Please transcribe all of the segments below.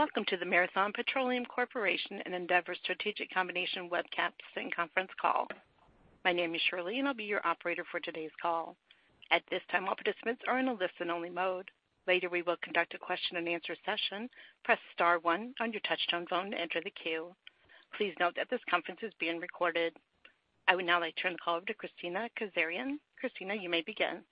Welcome to the Marathon Petroleum Corporation and Andeavor Strategic Combination Webcast and Conference Call. My name is Shirley, and I will be your operator for today's call. At this time, all participants are in a listen-only mode. Later, we will conduct a question-and-answer session. Press star one on your touchtone phone to enter the queue. Please note that this conference is being recorded. I would now like to turn the call over to Kristina Kazarian. Kristina, you may begin.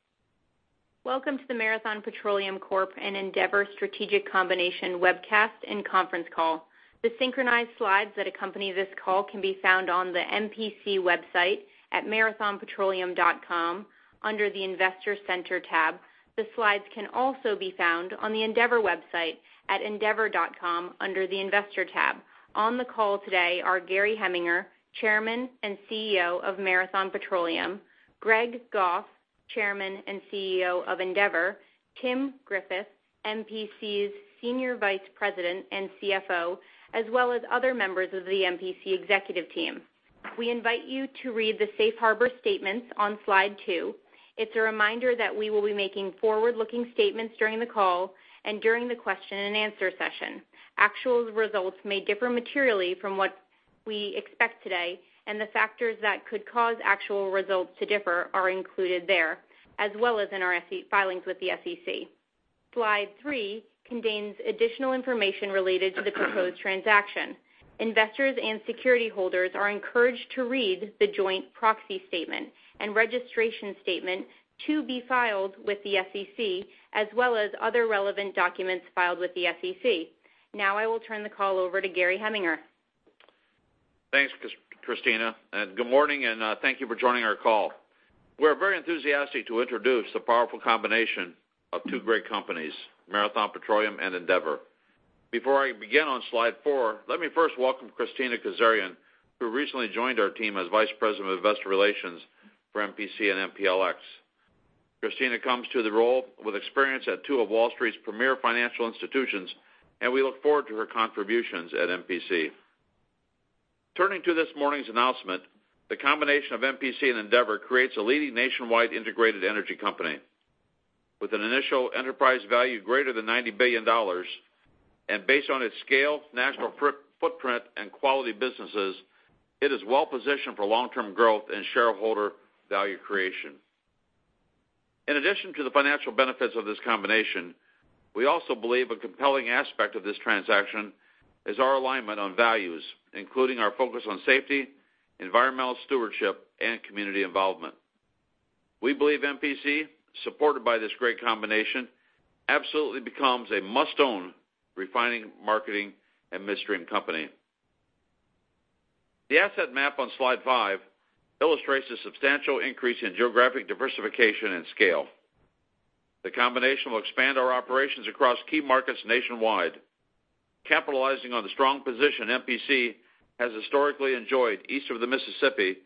Welcome to the Marathon Petroleum Corp. and Andeavor Strategic Combination Webcast and Conference Call. The synchronized slides that accompany this call can be found on the MPC website at marathonpetroleum.com under the Investor Center tab. The slides can also be found on the Andeavor website at andeavor.com under the Investor tab. On the call today are Gary Heminger, Chairman and CEO of Marathon Petroleum, Greg Goff, Chairman and CEO of Andeavor, Tim Griffith, MPC's Senior Vice President and CFO, as well as other members of the MPC executive team. We invite you to read the safe harbor statements on slide two. It is a reminder that we will be making forward-looking statements during the call and during the question-and-answer session. Actual results may differ materially from what we expect today. The factors that could cause actual results to differ are included there, as well as in our filings with the SEC. Slide three contains additional information related to the proposed transaction. Investors and security holders are encouraged to read the joint proxy statement and registration statement to be filed with the SEC, as well as other relevant documents filed with the SEC. Now I will turn the call over to Gary Heminger. Thanks, Kristina, and good morning, and thank you for joining our call. We are very enthusiastic to introduce the powerful combination of two great companies, Marathon Petroleum and Andeavor. Before I begin on slide four, let me first welcome Kristina Kazarian, who recently joined our team as Vice President of Investor Relations for MPC and MPLX. Kristina comes to the role with experience at two of Wall Street's premier financial institutions. We look forward to her contributions at MPC. Turning to this morning's announcement, the combination of MPC and Andeavor creates a leading nationwide integrated energy company with an initial enterprise value greater than $90 billion. Based on its scale, national footprint, and quality businesses, it is well positioned for long-term growth and shareholder value creation. In addition to the financial benefits of this combination, we also believe a compelling aspect of this transaction is our alignment on values, including our focus on safety, environmental stewardship, and community involvement. We believe MPC, supported by this great combination, absolutely becomes a must-own refining, marketing, and midstream company. The asset map on slide five illustrates a substantial increase in geographic diversification and scale. The combination will expand our operations across key markets nationwide, capitalizing on the strong position MPC has historically enjoyed east of the Mississippi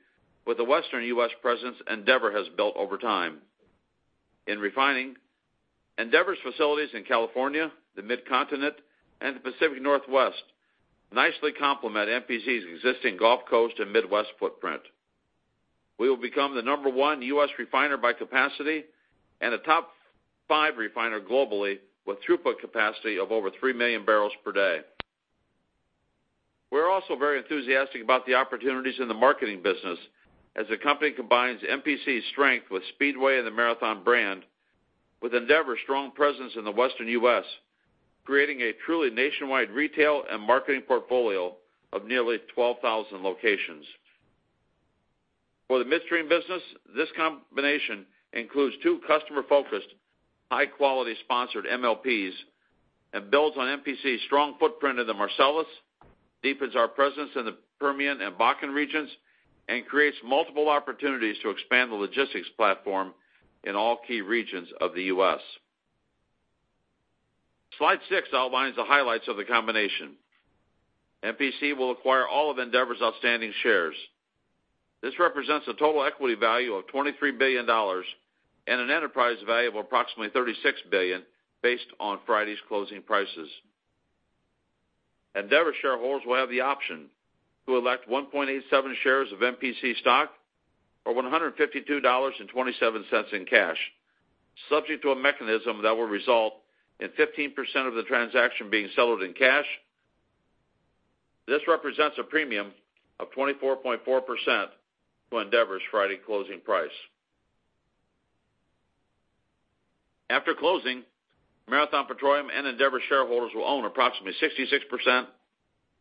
with the Western U.S. presence Andeavor has built over time. In refining, Andeavor's facilities in California, the mid-continent, and the Pacific Northwest nicely complement MPC's existing Gulf Coast and Midwest footprint. We will become the number one U.S. refiner by capacity and a top five refiner globally with throughput capacity of over 3 million barrels per day. We're also very enthusiastic about the opportunities in the marketing business as the company combines MPC's strength with Speedway and the Marathon brand with Andeavor's strong presence in the Western U.S., creating a truly nationwide retail and marketing portfolio of nearly 12,000 locations. For the midstream business, this combination includes two customer-focused, high-quality sponsored MLPs and builds on MPC's strong footprint in the Marcellus, deepens our presence in the Permian and Bakken regions, and creates multiple opportunities to expand the logistics platform in all key regions of the U.S. Slide six outlines the highlights of the combination. MPC will acquire all of Andeavor's outstanding shares. This represents a total equity value of $23 billion and an enterprise value of approximately $36 billion based on Friday's closing prices. Andeavor shareholders will have the option to elect 1.87 shares of MPC stock or $152.27 in cash, subject to a mechanism that will result in 15% of the transaction being settled in cash. This represents a premium of 24.4% to Andeavor's Friday closing price. After closing, Marathon Petroleum and Andeavor shareholders will own approximately 66%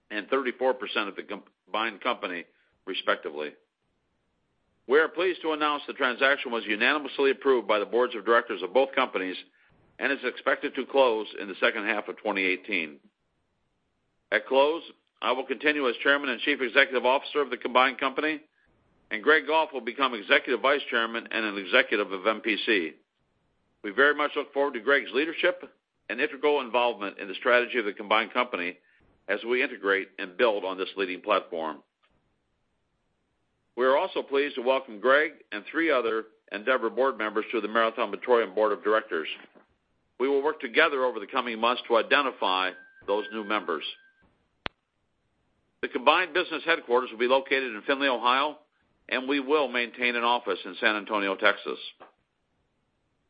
and 34% of the combined company, respectively. We are pleased to announce the transaction was unanimously approved by the boards of directors of both companies and is expected to close in the second half of 2018. At close, I will continue as Chairman and Chief Executive Officer of the combined company, and Greg Goff will become Executive Vice Chairman and an executive of MPC. We very much look forward to Greg's leadership and integral involvement in the strategy of the combined company as we integrate and build on this leading platform. We are also pleased to welcome Greg and three other Andeavor board members to the Marathon Petroleum Board of Directors. We will work together over the coming months to identify those new members. The combined business headquarters will be located in Findlay, Ohio, and we will maintain an office in San Antonio, Texas.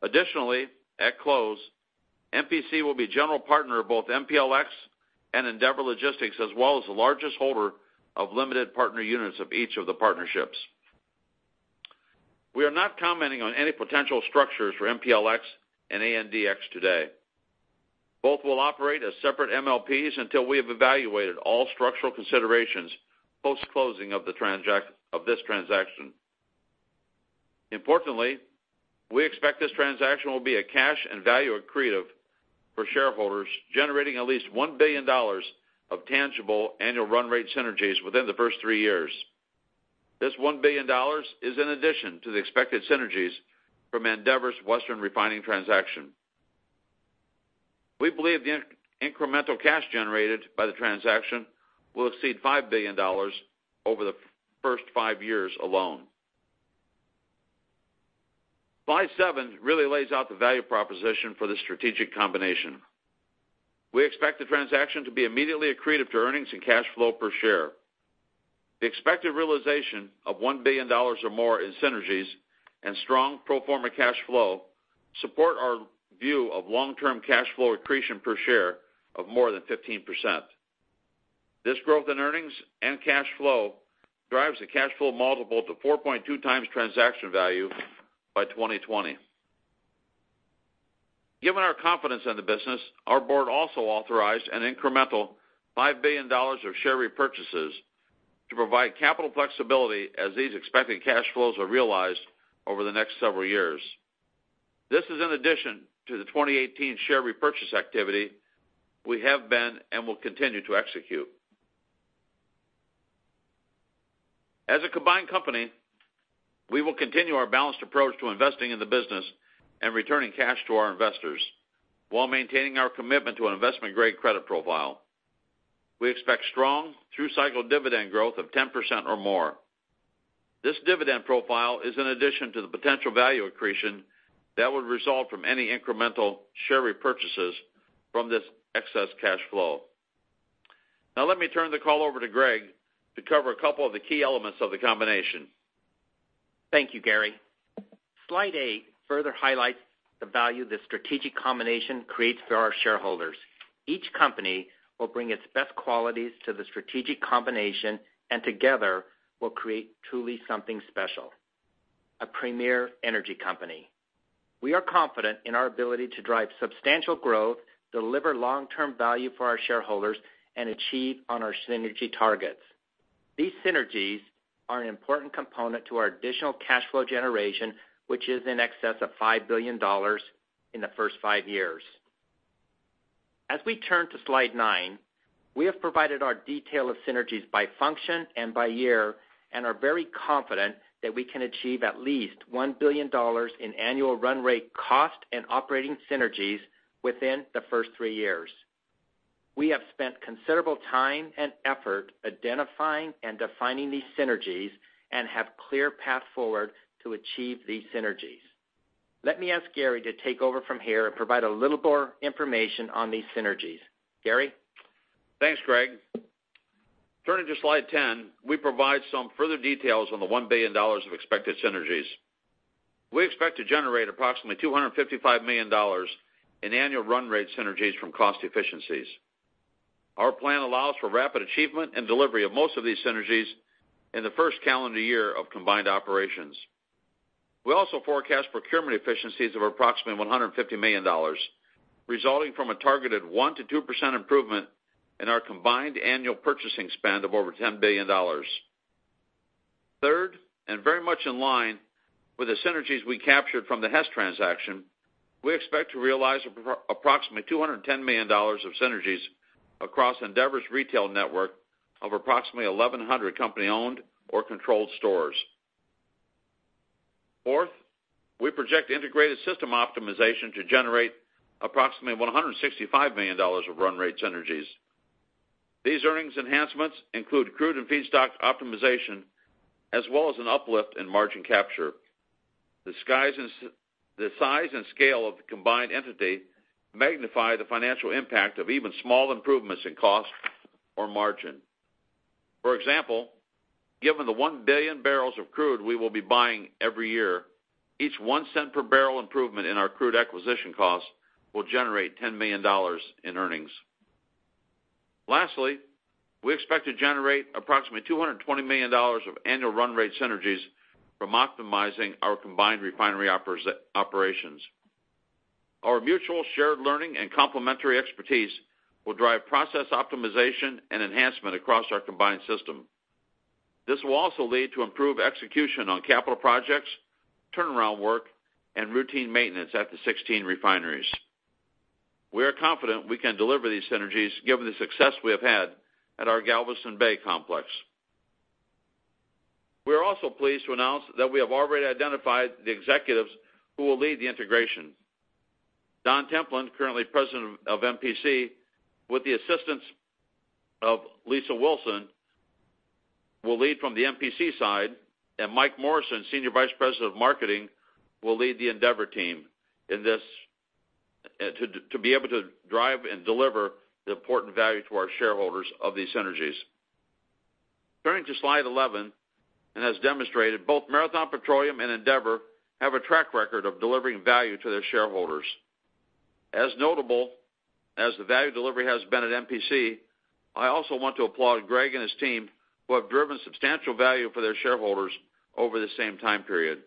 Additionally, at close, MPC will be general partner of both MPLX and Andeavor Logistics, as well as the largest holder of limited partner units of each of the partnerships. We are not commenting on any potential structures for MPLX and ANDX today. Both will operate as separate MLPs until we have evaluated all structural considerations, post-closing of this transaction. Importantly, we expect this transaction will be a cash and value accretive for shareholders generating at least $1 billion of tangible annual run rate synergies within the first three years. This $1 billion is in addition to the expected synergies from Andeavor's Western Refining transaction. We believe the incremental cash generated by the transaction will exceed $5 billion over the first five years alone. Slide seven really lays out the value proposition for the strategic combination. We expect the transaction to be immediately accretive to earnings and cash flow per share. The expected realization of $1 billion or more in synergies and strong pro forma cash flow support our view of long-term cash flow accretion per share of more than 15%. This growth in earnings and cash flow drives the cash flow multiple to 4.2x transaction value by 2020. Given our confidence in the business, our board also authorized an incremental $5 billion of share repurchases to provide capital flexibility as these expected cash flows are realized over the next several years. This is in addition to the 2018 share repurchase activity we have been and will continue to execute. As a combined company, we will continue our balanced approach to investing in the business and returning cash to our investors while maintaining our commitment to an investment-grade credit profile. We expect strong through-cycle dividend growth of 10% or more. This dividend profile is in addition to the potential value accretion that would result from any incremental share repurchases from this excess cash flow. Let me turn the call over to Greg to cover a couple of the key elements of the combination. Thank you, Gary. Slide eight further highlights the value this strategic combination creates for our shareholders. Each company will bring its best qualities to the strategic combination and together will create truly something special, a premier energy company. We are confident in our ability to drive substantial growth, deliver long-term value for our shareholders, and achieve on our synergy targets. These synergies are an important component to our additional cash flow generation, which is in excess of $5 billion in the first five years. As we turn to slide nine, we have provided our detail of synergies by function and by year and are very confident that we can achieve at least $1 billion in annual run rate cost and operating synergies within the first three years. We have spent considerable time and effort identifying and defining these synergies and have a clear path forward to achieve these synergies. Let me ask Gary to take over from here and provide a little more information on these synergies. Gary? Thanks, Greg. Turning to slide 10, we provide some further details on the $1 billion of expected synergies. We expect to generate approximately $255 million in annual run rate synergies from cost efficiencies. Our plan allows for rapid achievement and delivery of most of these synergies in the first calendar year of combined operations. We also forecast procurement efficiencies of approximately $150 million, resulting from a targeted 1%-2% improvement in our combined annual purchasing spend of over $10 billion. Third, very much in line with the synergies we captured from the Hess transaction, we expect to realize approximately $210 million of synergies across Andeavor's retail network of approximately 1,100 company-owned or controlled stores. Fourth, we project integrated system optimization to generate approximately $165 million of run rate synergies. These earnings enhancements include crude and feedstock optimization, as well as an uplift in margin capture. The size and scale of the combined entity magnify the financial impact of even small improvements in cost or margin. For example, given the one billion barrels of crude we will be buying every year, each $0.01 per barrel improvement in our crude acquisition costs will generate $10 million in earnings. Lastly, we expect to generate approximately $220 million of annual run rate synergies from optimizing our combined refinery operations. Our mutual shared learning and complementary expertise will drive process optimization and enhancement across our combined system. This will also lead to improved execution on capital projects, turnaround work, and routine maintenance at the 16 refineries. We are confident we can deliver these synergies given the success we have had at our Galveston Bay complex. We are also pleased to announce that we have already identified the executives who will lead the integration. Don Templin, currently President of MPC, with the assistance of Lisa Wilson, will lead from the MPC side. Mike Morrison, Senior Vice President of Marketing, will lead the Andeavor team to be able to drive and deliver the important value to our shareholders of these synergies. Turning to slide 11, as demonstrated, both Marathon Petroleum and Andeavor have a track record of delivering value to their shareholders. As notable as the value delivery has been at MPC, I also want to applaud Greg and his team, who have driven substantial value for their shareholders over the same time period.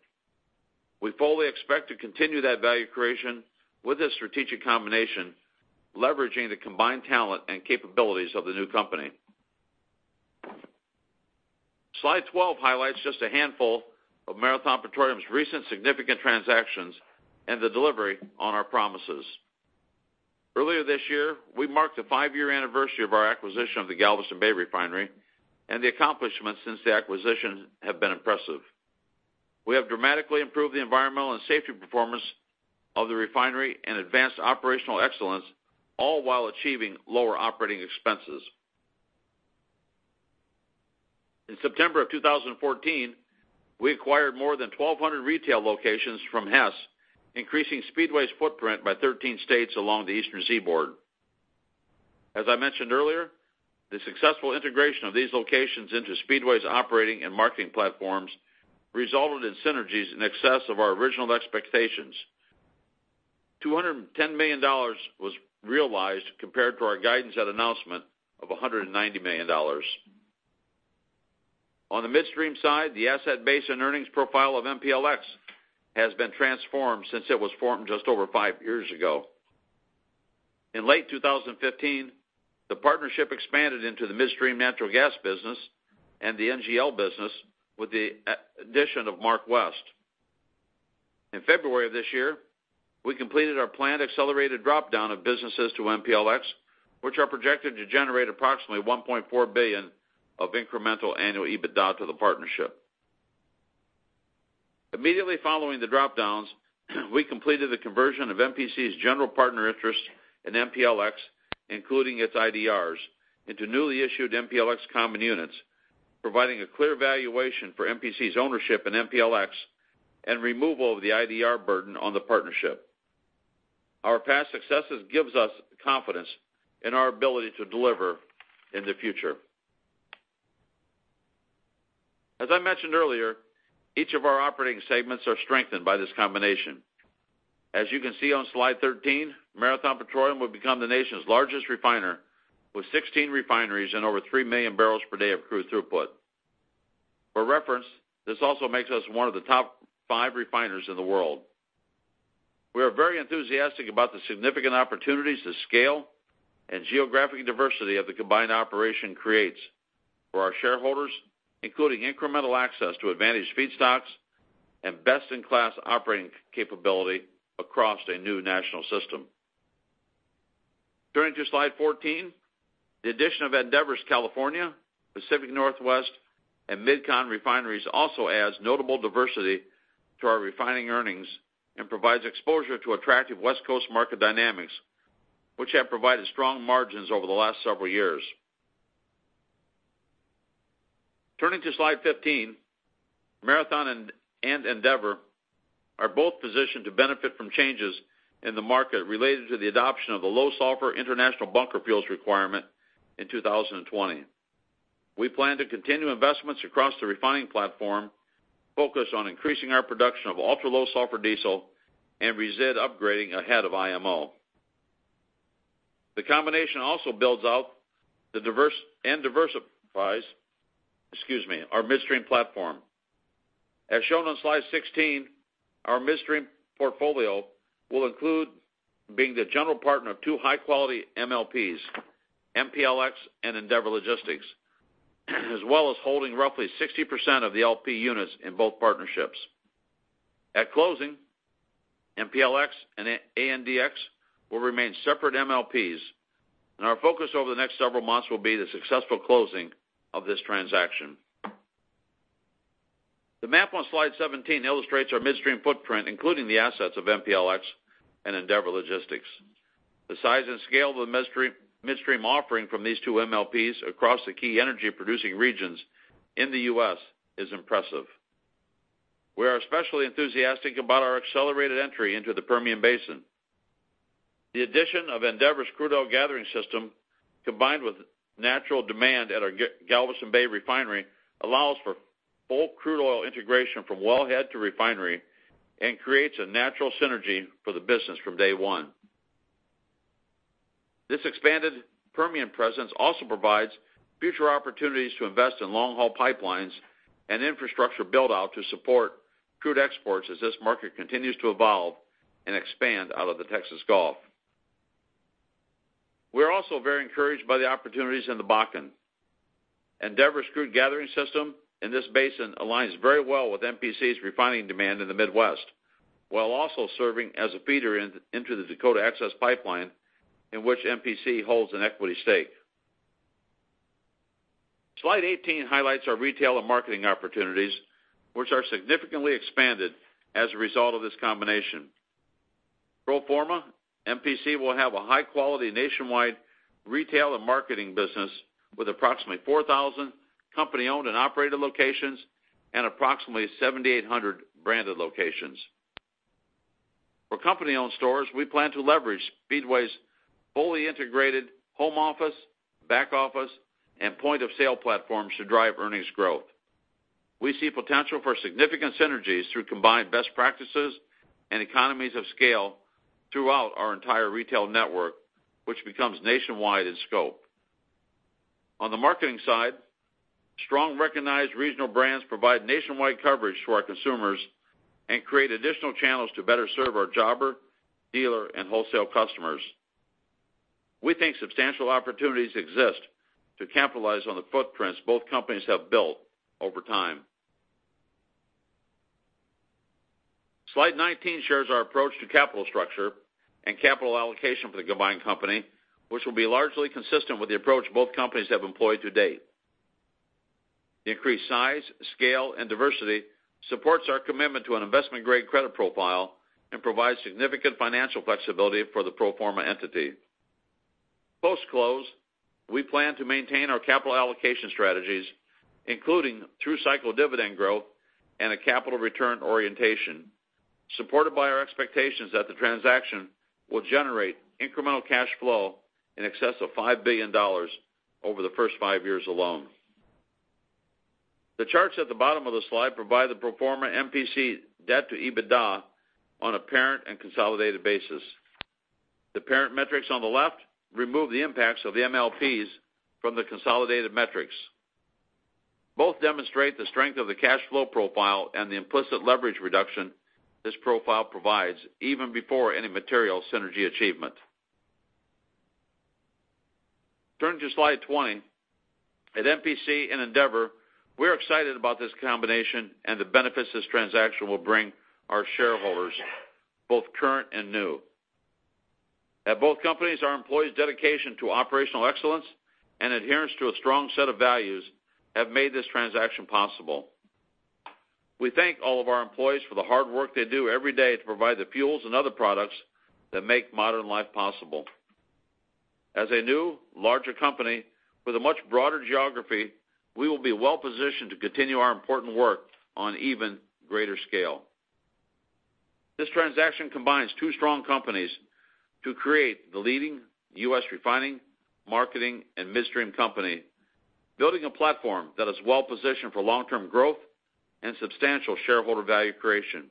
We fully expect to continue that value creation with this strategic combination, leveraging the combined talent and capabilities of the new company. Slide 12 highlights just a handful of Marathon Petroleum's recent significant transactions and the delivery on our promises. Earlier this year, we marked the five-year anniversary of our acquisition of the Galveston Bay refinery. The accomplishments since the acquisition have been impressive. We have dramatically improved the environmental and safety performance of the refinery and advanced operational excellence, all while achieving lower operating expenses. In September of 2014, we acquired more than 1,200 retail locations from Hess, increasing Speedway's footprint by 13 states along the eastern seaboard. As I mentioned earlier, the successful integration of these locations into Speedway's operating and marketing platforms resulted in synergies in excess of our original expectations. $210 million was realized compared to our guidance at announcement of $190 million. On the midstream side, the asset base and earnings profile of MPLX has been transformed since it was formed just over five years ago. In late 2015, the partnership expanded into the midstream natural gas business and the NGL business with the addition of MarkWest. In February of this year, we completed our planned accelerated drop-down of businesses to MPLX, which are projected to generate approximately $1.4 billion of incremental annual EBITDA to the partnership. Immediately following the drop-downs, we completed the conversion of MPC's general partner interest in MPLX, including its IDRs, into newly issued MPLX common units, providing a clear valuation for MPC's ownership in MPLX and removal of the IDR burden on the partnership. Our past successes gives us confidence in our ability to deliver in the future. As I mentioned earlier, each of our operating segments are strengthened by this combination. As you can see on slide 13, Marathon Petroleum will become the nation's largest refiner, with 16 refineries and over 3 million barrels per day of crude throughput. For reference, this also makes us one of the top five refiners in the world. We are very enthusiastic about the significant opportunities the scale and geographic diversity of the combined operation creates for our shareholders, including incremental access to advantaged feedstocks and best-in-class operating capability across a new national system. Turning to slide 14, the addition of Andeavor's California, Pacific Northwest, and MidCon refineries also adds notable diversity to our refining earnings and provides exposure to attractive West Coast market dynamics, which have provided strong margins over the last several years. Turning to slide 15, Marathon and Andeavor are both positioned to benefit from changes in the market related to the adoption of the low sulfur international bunker fuels requirement in 2020. We plan to continue investments across the refining platform, focused on increasing our production of ultra-low sulfur diesel and resid upgrading ahead of IMO. The combination also builds out and diversifies our midstream platform. As shown on slide 16, our midstream portfolio will include being the general partner of two high-quality MLPs, MPLX and Andeavor Logistics, as well as holding roughly 60% of the LP units in both partnerships. At closing, MPLX and ANDX will remain separate MLPs, and our focus over the next several months will be the successful closing of this transaction. The map on slide 17 illustrates our midstream footprint, including the assets of MPLX and Andeavor Logistics. The size and scale of the midstream offering from these two MLPs across the key energy-producing regions in the U.S. is impressive. We are especially enthusiastic about our accelerated entry into the Permian Basin. The addition of Andeavor's crude oil gathering system, combined with natural demand at our Galveston Bay refinery, allows for full crude oil integration from well head to refinery and creates a natural synergy for the business from day one. This expanded Permian presence also provides future opportunities to invest in long-haul pipelines and infrastructure build-out to support crude exports as this market continues to evolve and expand out of the Texas Gulf. We are also very encouraged by the opportunities in the Bakken. Andeavor's crude gathering system in this basin aligns very well with MPC's refining demand in the Midwest, while also serving as a feeder into the Dakota Access pipeline, in which MPC holds an equity stake. Slide 18 highlights our retail and marketing opportunities, which are significantly expanded as a result of this combination. Pro forma, MPC will have a high-quality nationwide retail and marketing business with approximately 4,000 company-owned and operated locations and approximately 7,800 branded locations. For company-owned stores, we plan to leverage Speedway's fully integrated home office, back office, and point of sale platforms to drive earnings growth. We see potential for significant synergies through combined best practices and economies of scale throughout our entire retail network, which becomes nationwide in scope. On the marketing side, strong recognized regional brands provide nationwide coverage to our consumers and create additional channels to better serve our jobber, dealer, and wholesale customers. We think substantial opportunities exist to capitalize on the footprints both companies have built over time. Slide 19 shares our approach to capital structure and capital allocation for the combined company, which will be largely consistent with the approach both companies have employed to date. The increased size, scale, and diversity supports our commitment to an investment-grade credit profile and provides significant financial flexibility for the pro forma entity. Post-close, we plan to maintain our capital allocation strategies, including through cycle dividend growth and a capital return orientation, supported by our expectations that the transaction will generate incremental cash flow in excess of $5 billion over the first five years alone. The charts at the bottom of the slide provide the pro forma MPC debt to EBITDA on a parent and consolidated basis. The parent metrics on the left remove the impacts of the MLPs from the consolidated metrics. Both demonstrate the strength of the cash flow profile and the implicit leverage reduction this profile provides even before any material synergy achievement. Turning to slide 20. At MPC and Andeavor, we're excited about this combination and the benefits this transaction will bring our shareholders, both current and new. At both companies, our employees' dedication to operational excellence and adherence to a strong set of values have made this transaction possible. We thank all of our employees for the hard work they do every day to provide the fuels and other products that make modern life possible. As a new, larger company with a much broader geography, we will be well-positioned to continue our important work on an even greater scale. This transaction combines two strong companies to create the leading U.S. refining, marketing, and midstream company, building a platform that is well-positioned for long-term growth and substantial shareholder value creation.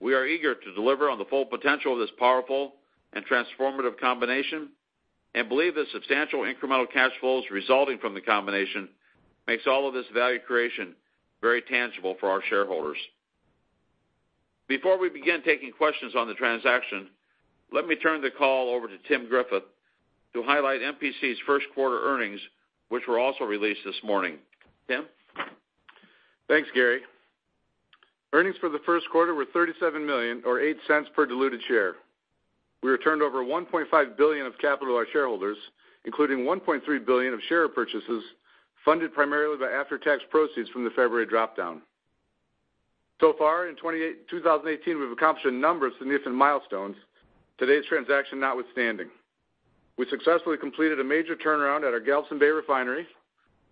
We are eager to deliver on the full potential of this powerful and transformative combination and believe the substantial incremental cash flows resulting from the combination makes all of this value creation very tangible for our shareholders. Before we begin taking questions on the transaction, let me turn the call over to Tim Griffith to highlight MPC's first quarter earnings, which were also released this morning. Tim? Thanks, Gary. Earnings for the first quarter were $37 million, or $0.08 per diluted share. We returned over $1.5 billion of capital to our shareholders, including $1.3 billion of share purchases funded primarily by after-tax proceeds from the February drop-down. Far in 2018, we've accomplished a number of significant milestones, today's transaction notwithstanding. We successfully completed a major turnaround at our Galveston Bay refinery,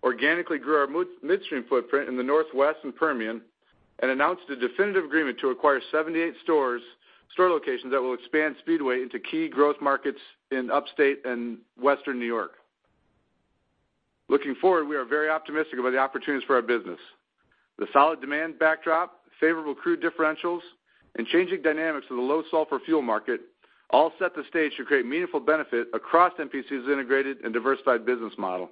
organically grew our midstream footprint in the Northwest and Permian, and announced a definitive agreement to acquire 78 store locations that will expand Speedway into key growth markets in Upstate and Western New York. Looking forward, we are very optimistic about the opportunities for our business. The solid demand backdrop, favorable crude differentials, and changing dynamics of the low sulfur fuel market all set the stage to create meaningful benefit across MPC's integrated and diversified business model.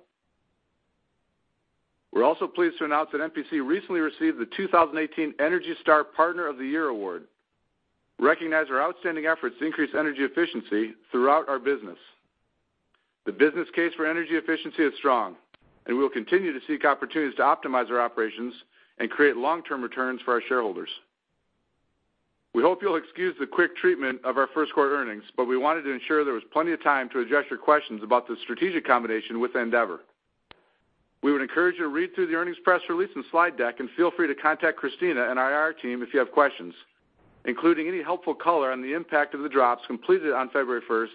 We're also pleased to announce that MPC recently received the 2018 Energy Star Partner of the Year award, recognizing our outstanding efforts to increase energy efficiency throughout our business. The business case for energy efficiency is strong, we will continue to seek opportunities to optimize our operations and create long-term returns for our shareholders. We hope you'll excuse the quick treatment of our first quarter earnings, we wanted to ensure there was plenty of time to address your questions about the strategic combination with Andeavor. We would encourage you to read through the earnings press release and slide deck, and feel free to contact Kristina and our IR team if you have questions, including any helpful color on the impact of the drops completed on February 1st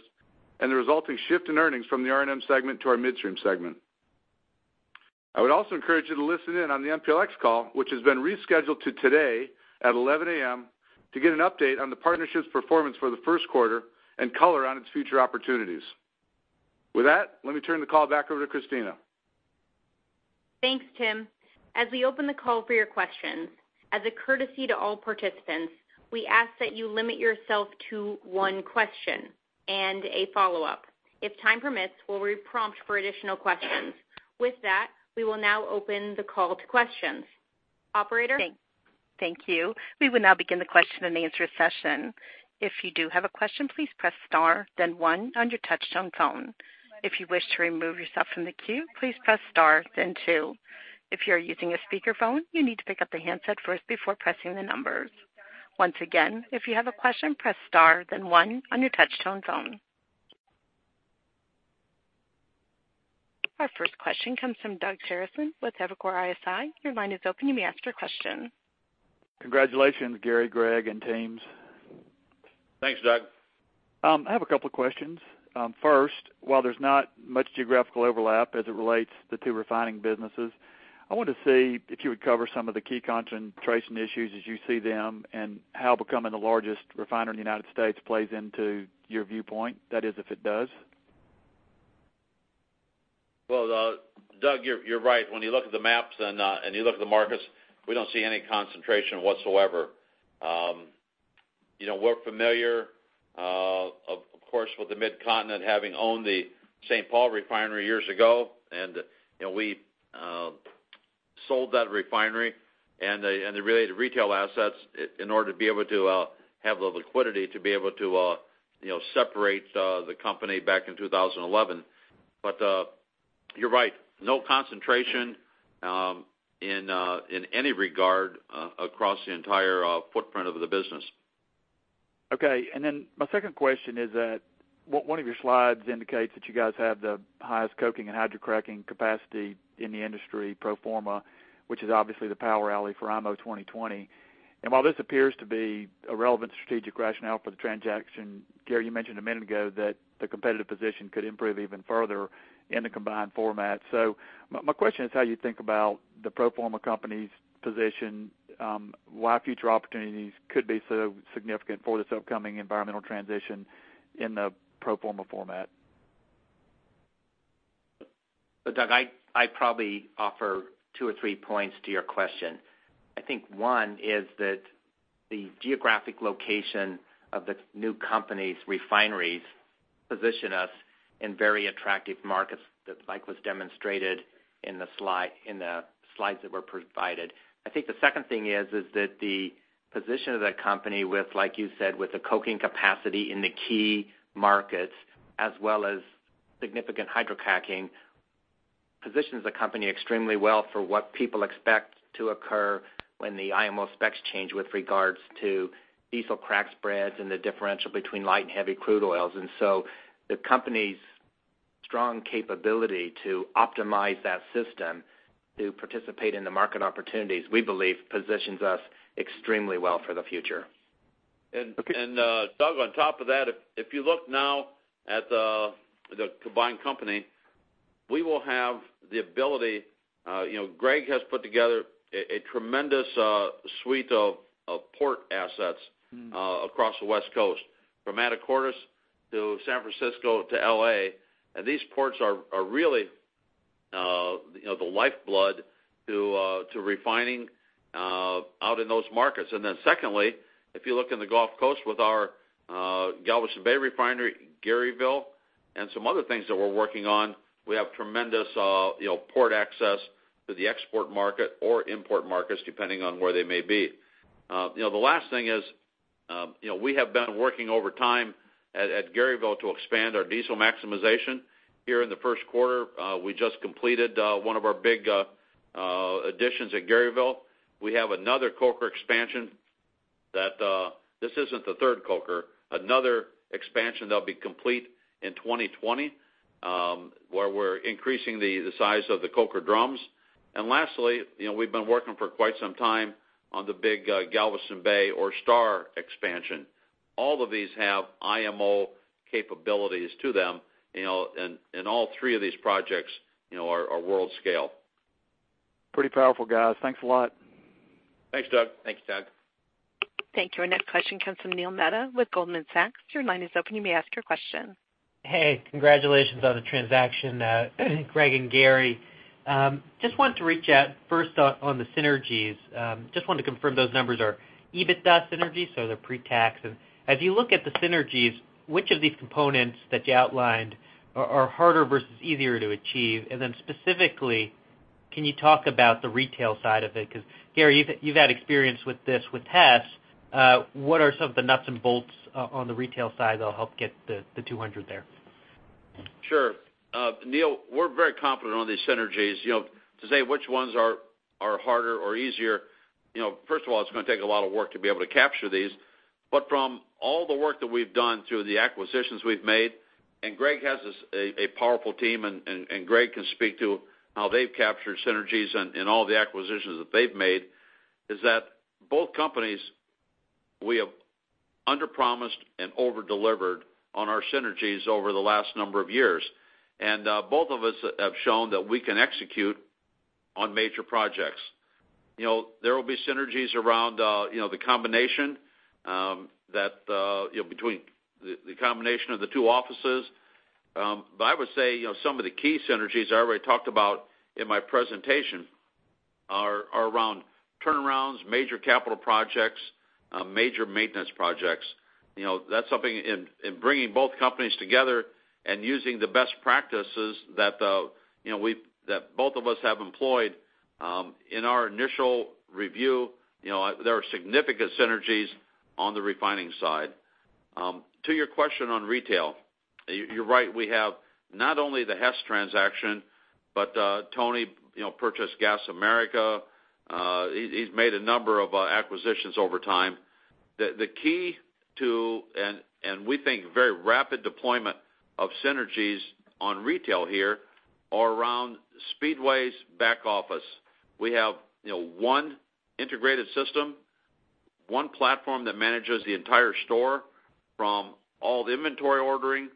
and the resulting shift in earnings from the R&M segment to our midstream segment. I would also encourage you to listen in on the MPLX call, which has been rescheduled to today at 11:00 A.M., to get an update on the partnership's performance for the first quarter and color on its future opportunities. With that, let me turn the call back over to Kristina. Thanks, Tim. As we open the call for your questions, as a courtesy to all participants, we ask that you limit yourself to one question and a follow-up. If time permits, we'll re-prompt for additional questions. With that, we will now open the call to questions. Operator? Thank you. We will now begin the question and answer session. If you do have a question, please press star then one on your touchtone phone. If you wish to remove yourself from the queue, please press star then two. If you're using a speakerphone, you need to pick up the handset first before pressing the numbers. Once again, if you have a question, press star then one on your touchtone phone. Our first question comes from Doug Leggate with Evercore ISI. Your line is open. You may ask your question. Congratulations, Gary, Greg, and teams. Thanks, Doug. I have a couple of questions. First, while there's not much geographical overlap as it relates to the two refining businesses, I wanted to see if you would cover some of the key concentration issues as you see them, and how becoming the largest refinery in the United States plays into your viewpoint. That is, if it does. Doug, you're right. When you look at the maps and you look at the markets, we don't see any concentration whatsoever. We're familiar, of course, with the Mid-Continent having owned the St. Paul refinery years ago, and we sold that refinery and the related retail assets in order to be able to have the liquidity to be able to separate the company back in 2011. You're right, no concentration in any regard across the entire footprint of the business. Okay, my second question is that one of your slides indicates that you guys have the highest coking and hydrocracking capacity in the industry pro forma, which is obviously the power alley for IMO 2020. While this appears to be a relevant strategic rationale for the transaction, Gary, you mentioned a minute ago that the competitive position could improve even further in the combined format. My question is how you think about the pro forma company's position, why future opportunities could be so significant for this upcoming environmental transition in the pro forma format. Doug, I'd probably offer two or three points to your question. I think one is that the geographic location of the new company's refineries position us in very attractive markets that [Mike] was demonstrated in the slides that were provided. I think the second thing is that the position of that company with, like you said, with the coking capacity in the key markets as well as significant hydrocracking, positions the company extremely well for what people expect to occur when the IMO specs change with regards to diesel crack spreads and the differential between light and heavy crude oils. The company's strong capability to optimize that system to participate in the market opportunities, we believe, positions us extremely well for the future. Okay. Doug, on top of that, if you look now at the combined company, we will have the ability Greg has put together a tremendous suite of port assets across the West Coast, from Anacortes to San Francisco to L.A. These ports are really the lifeblood to refining out in those markets. Secondly, if you look in the Gulf Coast with our Galveston Bay refinery, Garyville, and some other things that we're working on, we have tremendous port access to the export market or import markets, depending on where they may be. The last thing is we have been working overtime at Garyville to expand our diesel maximization. Here in the first quarter, we just completed one of our big additions at Garyville. We have another coker expansion that this isn't the third coker, another expansion that'll be complete in 2020, where we're increasing the size of the coker drums. Lastly, we've been working for quite some time on the big Galveston Bay or STAR expansion. All of these have IMO capabilities to them, and all three of these projects are world scale. Pretty powerful, guys. Thanks a lot. Thanks, Doug. Thank you, Doug. Thank you. Our next question comes from Neil Mehta with Goldman Sachs. Your line is open. You may ask your question. Hey, congratulations on the transaction, Greg and Gary. Just wanted to reach out first on the synergies. Just wanted to confirm those numbers are EBITDA synergies, so they're pre-tax. As you look at the synergies, which of these components that you outlined are harder versus easier to achieve? Then specifically, can you talk about the retail side of it? Because Gary, you've had experience with this with Hess. What are some of the nuts and bolts on the retail side that will help get the 200 there? Sure. Neil, we're very confident on these synergies. To say which ones are harder or easier, first of all, it's going to take a lot of work to be able to capture these. From all the work that we've done through the acquisitions we've made, Greg has a powerful team, and Greg can speak to how they've captured synergies in all the acquisitions that they've made, is that both companies, we have underpromised and over-delivered on our synergies over the last number of years. Both of us have shown that we can execute on major projects. There will be synergies around the combination of the two offices. I would say, some of the key synergies I already talked about in my presentation are around turnarounds, major capital projects, major maintenance projects. That's something in bringing both companies together and using the best practices that both of us have employed. In our initial review, there are significant synergies on the refining side. To your question on retail, you're right, we have not only the Hess transaction, but Tony purchased Gas America. He's made a number of acquisitions over time. The key to, and we think, very rapid deployment of synergies on retail here are around Speedway's back office. We have one integrated system, one platform that manages the entire store from all the inventory ordering,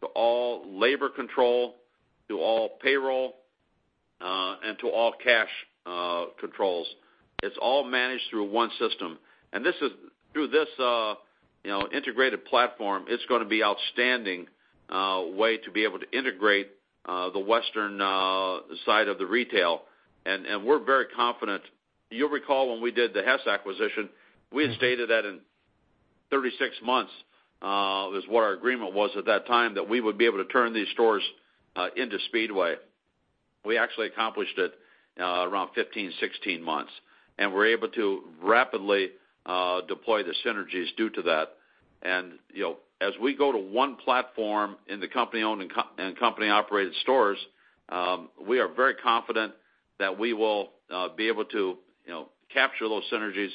to all labor control, to all payroll, and to all cash controls. It's all managed through one system. Through this integrated platform, it's going to be outstanding way to be able to integrate the Western side of the retail. We're very confident. You'll recall when we did the Hess acquisition, we had stated that in 36 months, is what our agreement was at that time, that we would be able to turn these stores into Speedway. We actually accomplished it around 15, 16 months. We're able to rapidly deploy the synergies due to that. As we go to one platform in the company-owned and company-operated stores, we are very confident that we will be able to capture those synergies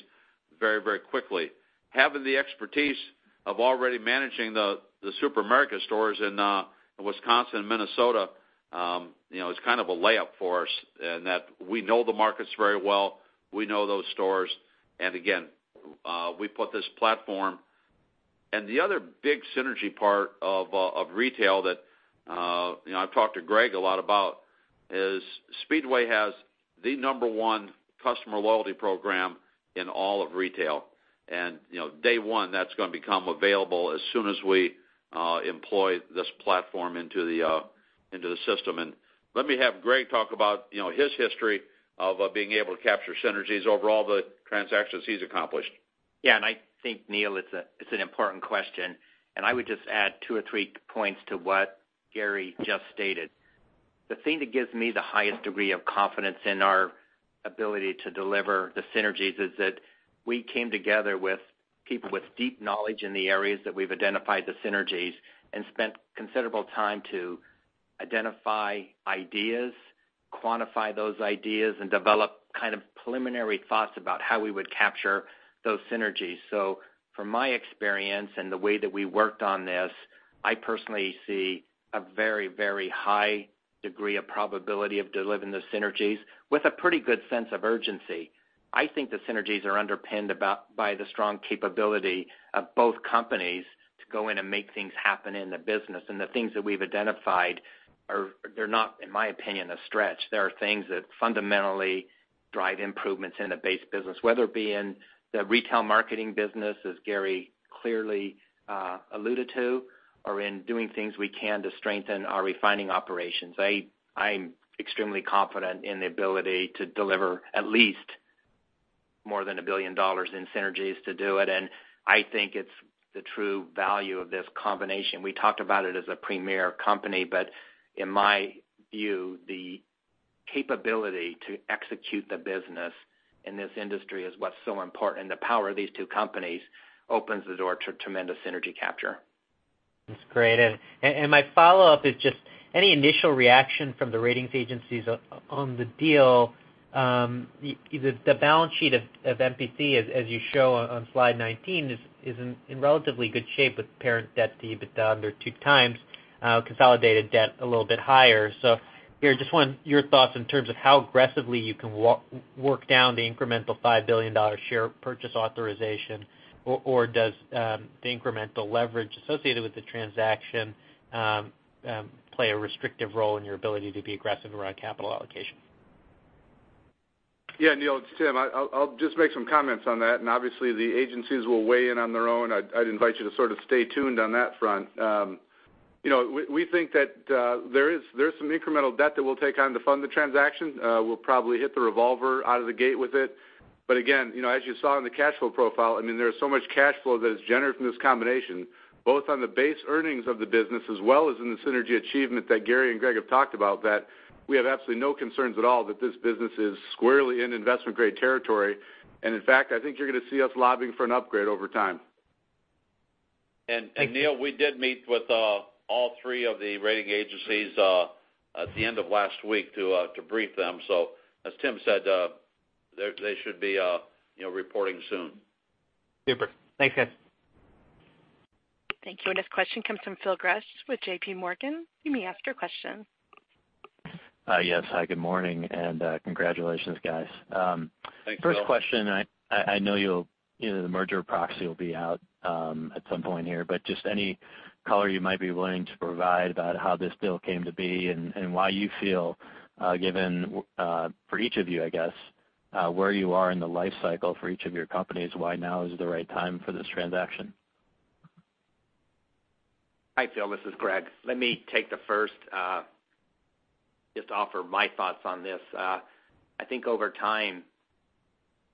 very quickly. Having the expertise of already managing the SuperAmerica stores in Wisconsin and Minnesota, is kind of a layup for us in that we know the markets very well, we know those stores, again, we put this platform. The other big synergy part of retail that I've talked to Greg a lot about is Speedway has the number 1 customer loyalty program in all of retail. Day one, that's going to become available as soon as we employ this platform into the system. Let me have Greg talk about his history of being able to capture synergies over all the transactions he's accomplished. Yeah, I think, Neil, it's an important question. I would just add two or three points to what Gary just stated. The thing that gives me the highest degree of confidence in our ability to deliver the synergies is that we came together with people with deep knowledge in the areas that we've identified the synergies, spent considerable time to identify ideas, quantify those ideas, and develop preliminary thoughts about how we would capture those synergies. From my experience and the way that we worked on this, I personally see a very high degree of probability of delivering those synergies with a pretty good sense of urgency. I think the synergies are underpinned by the strong capability of both companies to go in and make things happen in the business. The things that we've identified are, they're not, in my opinion, a stretch. They are things that fundamentally drive improvements in the base business, whether it be in the retail marketing business, as Gary clearly alluded to, or in doing things we can to strengthen our refining operations. I'm extremely confident in the ability to deliver at least more than $1 billion in synergies to do it, I think it's the true value of this combination. We talked about it as a premier company, in my view, the capability to execute the business in this industry is what's so important. The power of these two companies opens the door to tremendous synergy capture. That's great. My follow-up is just any initial reaction from the ratings agencies on the deal? The balance sheet of MPC, as you show on slide 19, is in relatively good shape with parent debt to EBITDA under two times, consolidated debt a little bit higher. Gary, just want your thoughts in terms of how aggressively you can work down the incremental $5 billion share purchase authorization, or does the incremental leverage associated with the transaction play a restrictive role in your ability to be aggressive around capital allocation? Yeah, Neil, it's Tim. I'll just make some comments on that. Obviously, the agencies will weigh in on their own. I'd invite you to sort of stay tuned on that front. We think that there's some incremental debt that we'll take on to fund the transaction. We'll probably hit the revolver out of the gate with it. Again, as you saw in the cash flow profile, there is so much cash flow that is generated from this combination, both on the base earnings of the business as well as in the synergy achievement that Gary and Greg have talked about, that we have absolutely no concerns at all that this business is squarely in investment-grade territory. In fact, I think you're going to see us lobbying for an upgrade over time. Neil, we did meet with all three of the rating agencies at the end of last week to brief them. As Tim said, they should be reporting soon. Super. Thanks, guys. Thank you. This question comes from Phil Gresh with JPMorgan. You may ask your question. Yes. Hi, good morning, and congratulations, guys. Thanks, Phil. First question. I know the merger proxy will be out at some point here, just any color you might be willing to provide about how this deal came to be and why you feel given, for each of you, I guess, where you are in the life cycle for each of your companies, why now is the right time for this transaction? Hi, Phil. This is Greg. Let me take the first, just to offer my thoughts on this. I think over time,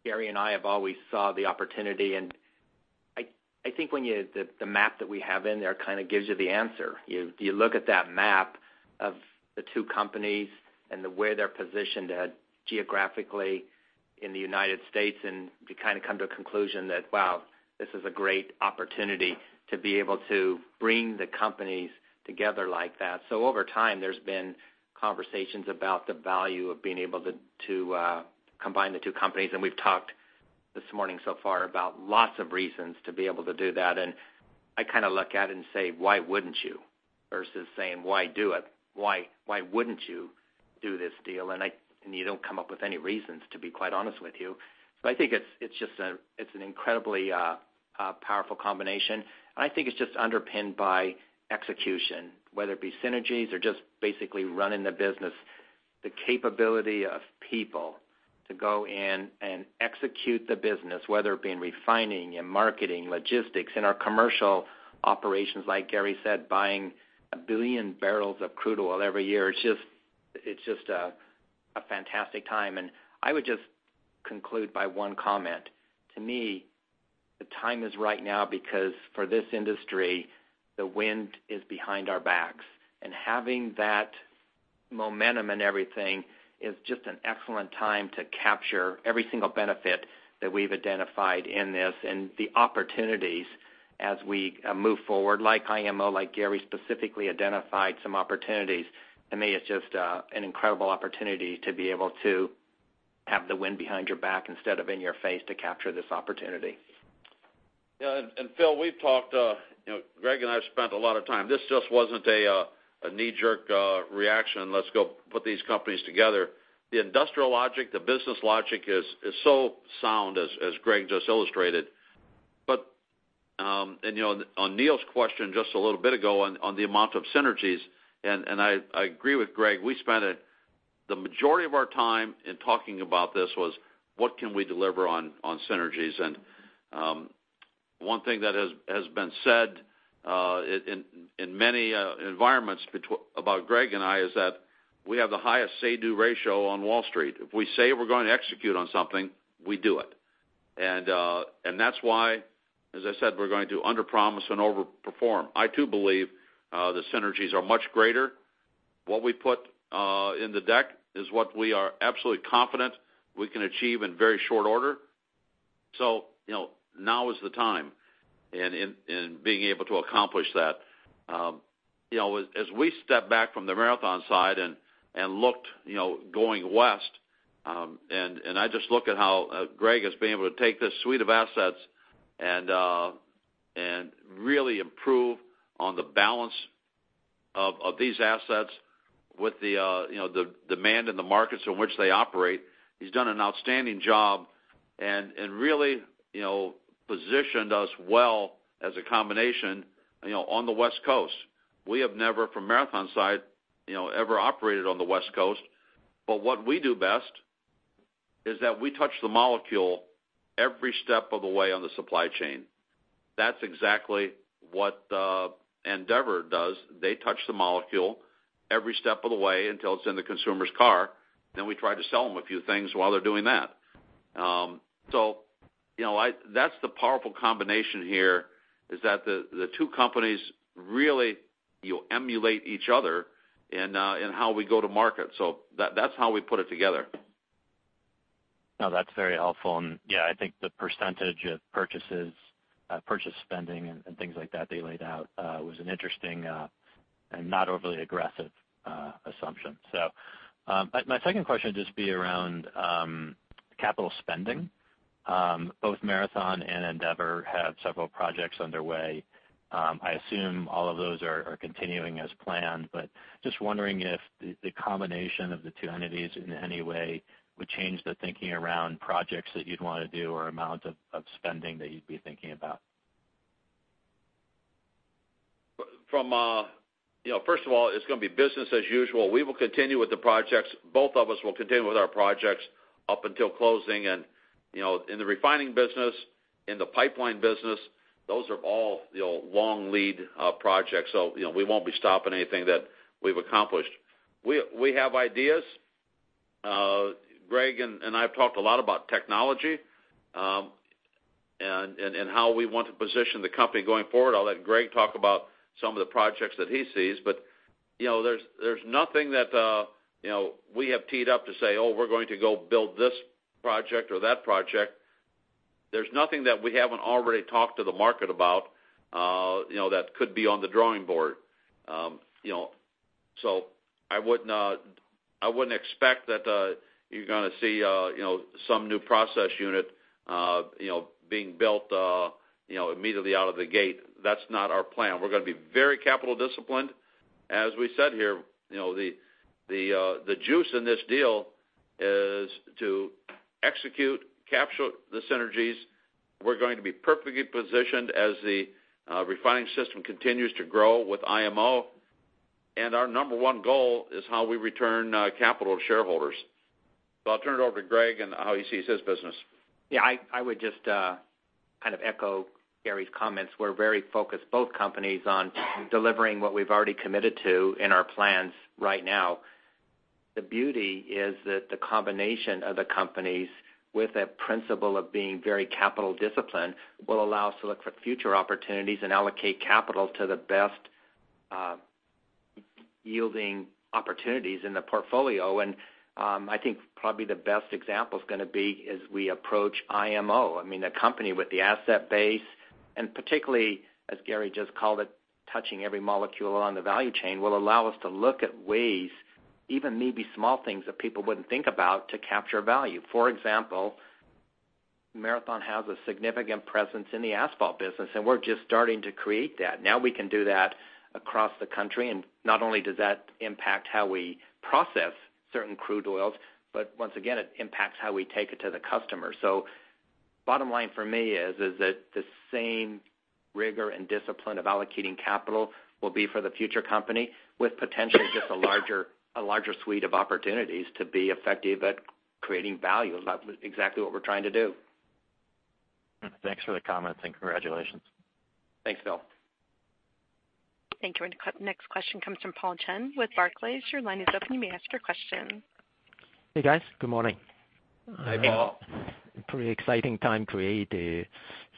Gary and I have always saw the opportunity. I think the map that we have in there kind of gives you the answer. You look at that map of the two companies and the way they're positioned geographically in the U.S., you kind of come to a conclusion that, wow, this is a great opportunity to be able to bring the companies together like that. Over time, there's been conversations about the value of being able to combine the two companies. We've talked this morning so far about lots of reasons to be able to do that. I kind of look at it and say, "Why wouldn't you?" Versus saying, "Why do it?" Why wouldn't you do this deal? You don't come up with any reasons, to be quite honest with you. I think it's an incredibly powerful combination. I think it's just underpinned by execution, whether it be synergies or just basically running the business, the capability of people to go in and execute the business, whether it be in refining, in marketing, logistics, in our commercial operations, like Gary said, buying 1 billion barrels of crude oil every year. It's just a fantastic time. I would just conclude by one comment. To me, the time is right now, because for this industry, the wind is behind our backs. Having that momentum and everything is just an excellent time to capture every single benefit that we've identified in this and the opportunities as we move forward, like IMO, like Gary specifically identified some opportunities. To me, it's just an incredible opportunity to be able to have the wind behind your back instead of in your face to capture this opportunity. Phil, we've spent a lot of time. This just wasn't a knee-jerk reaction, let's go put these companies together. The industrial logic, the business logic is so sound, as Greg just illustrated. On Neil's question just a little bit ago on the amount of synergies, I agree with Greg, we spent the majority of our time in talking about this was what can we deliver on synergies? One thing that has been said in many environments about Greg and I is that we have the highest say-do ratio on Wall Street. If we say we're going to underpromise and overperform. I, too, believe the synergies are much greater. What we put in the deck is what we are absolutely confident we can achieve in very short order. Now is the time in being able to accomplish that. As we step back from the Marathon side and looked going west, I just look at how Greg has been able to take this suite of assets and really improve on the balance of these assets with the demand in the markets in which they operate. He's done an outstanding job and really positioned us well as a combination on the West Coast. We have never, from Marathon's side, ever operated on the West Coast. What we do best is that we touch the molecule every step of the way on the supply chain. That's exactly what Andeavor does. They touch the molecule every step of the way until it's in the consumer's car. We try to sell them a few things while they're doing that. That's the powerful combination here, is that the two companies really emulate each other in how we go to market. That's how we put it together. No, that's very helpful. Yeah, I think the percentage of purchase spending and things like that they laid out was an interesting and not overly aggressive assumption. My second question would just be around capital spending. Both Marathon and Andeavor have several projects underway. I assume all of those are continuing as planned, but just wondering if the combination of the two entities in any way would change the thinking around projects that you'd want to do or amount of spending that you'd be thinking about. First of all, it's going to be business as usual. We will continue with the projects. Both of us will continue with our projects up until closing. In the refining business, in the pipeline business, those are all long lead projects. We won't be stopping anything that we've accomplished. We have ideas. Greg and I have talked a lot about technology and how we want to position the company going forward. I'll let Greg talk about some of the projects that he sees. There's nothing that we have teed up to say, "Oh, we're going to go build this project or that project." There's nothing that we haven't already talked to the market about that could be on the drawing board. I wouldn't expect that you're going to see some new process unit being built immediately out of the gate. That's not our plan. We're going to be very capital disciplined. As we said here, the juice in this deal is to execute, capture the synergies. We're going to be perfectly positioned as the refining system continues to grow with IMO. Our number one goal is how we return capital to shareholders. I'll turn it over to Greg and how he sees his business. I would just kind of echo Gary's comments. We're very focused, both companies, on delivering what we've already committed to in our plans right now. The beauty is that the combination of the companies with a principle of being very capital disciplined will allow us to look for future opportunities and allocate capital to the best yielding opportunities in the portfolio. I think probably the best example is going to be as we approach IMO. A company with the asset base, and particularly, as Gary just called it, touching every molecule along the value chain, will allow us to look at ways, even maybe small things that people wouldn't think about, to capture value. For example, Marathon has a significant presence in the asphalt business, and we're just starting to create that. We can do that across the country, and not only does that impact how we process certain crude oils, but once again, it impacts how we take it to the customer. Bottom line for me is that the same rigor and discipline of allocating capital will be for the future company with potentially just a larger suite of opportunities to be effective at creating value. That was exactly what we're trying to do. Thanks for the comments, and congratulations. Thanks, Phil. Thank you. Next question comes from Paul Cheng with Barclays. Your line is open. You may ask your question. Hey, guys. Good morning. Hey, Paul. Pretty exciting time to create a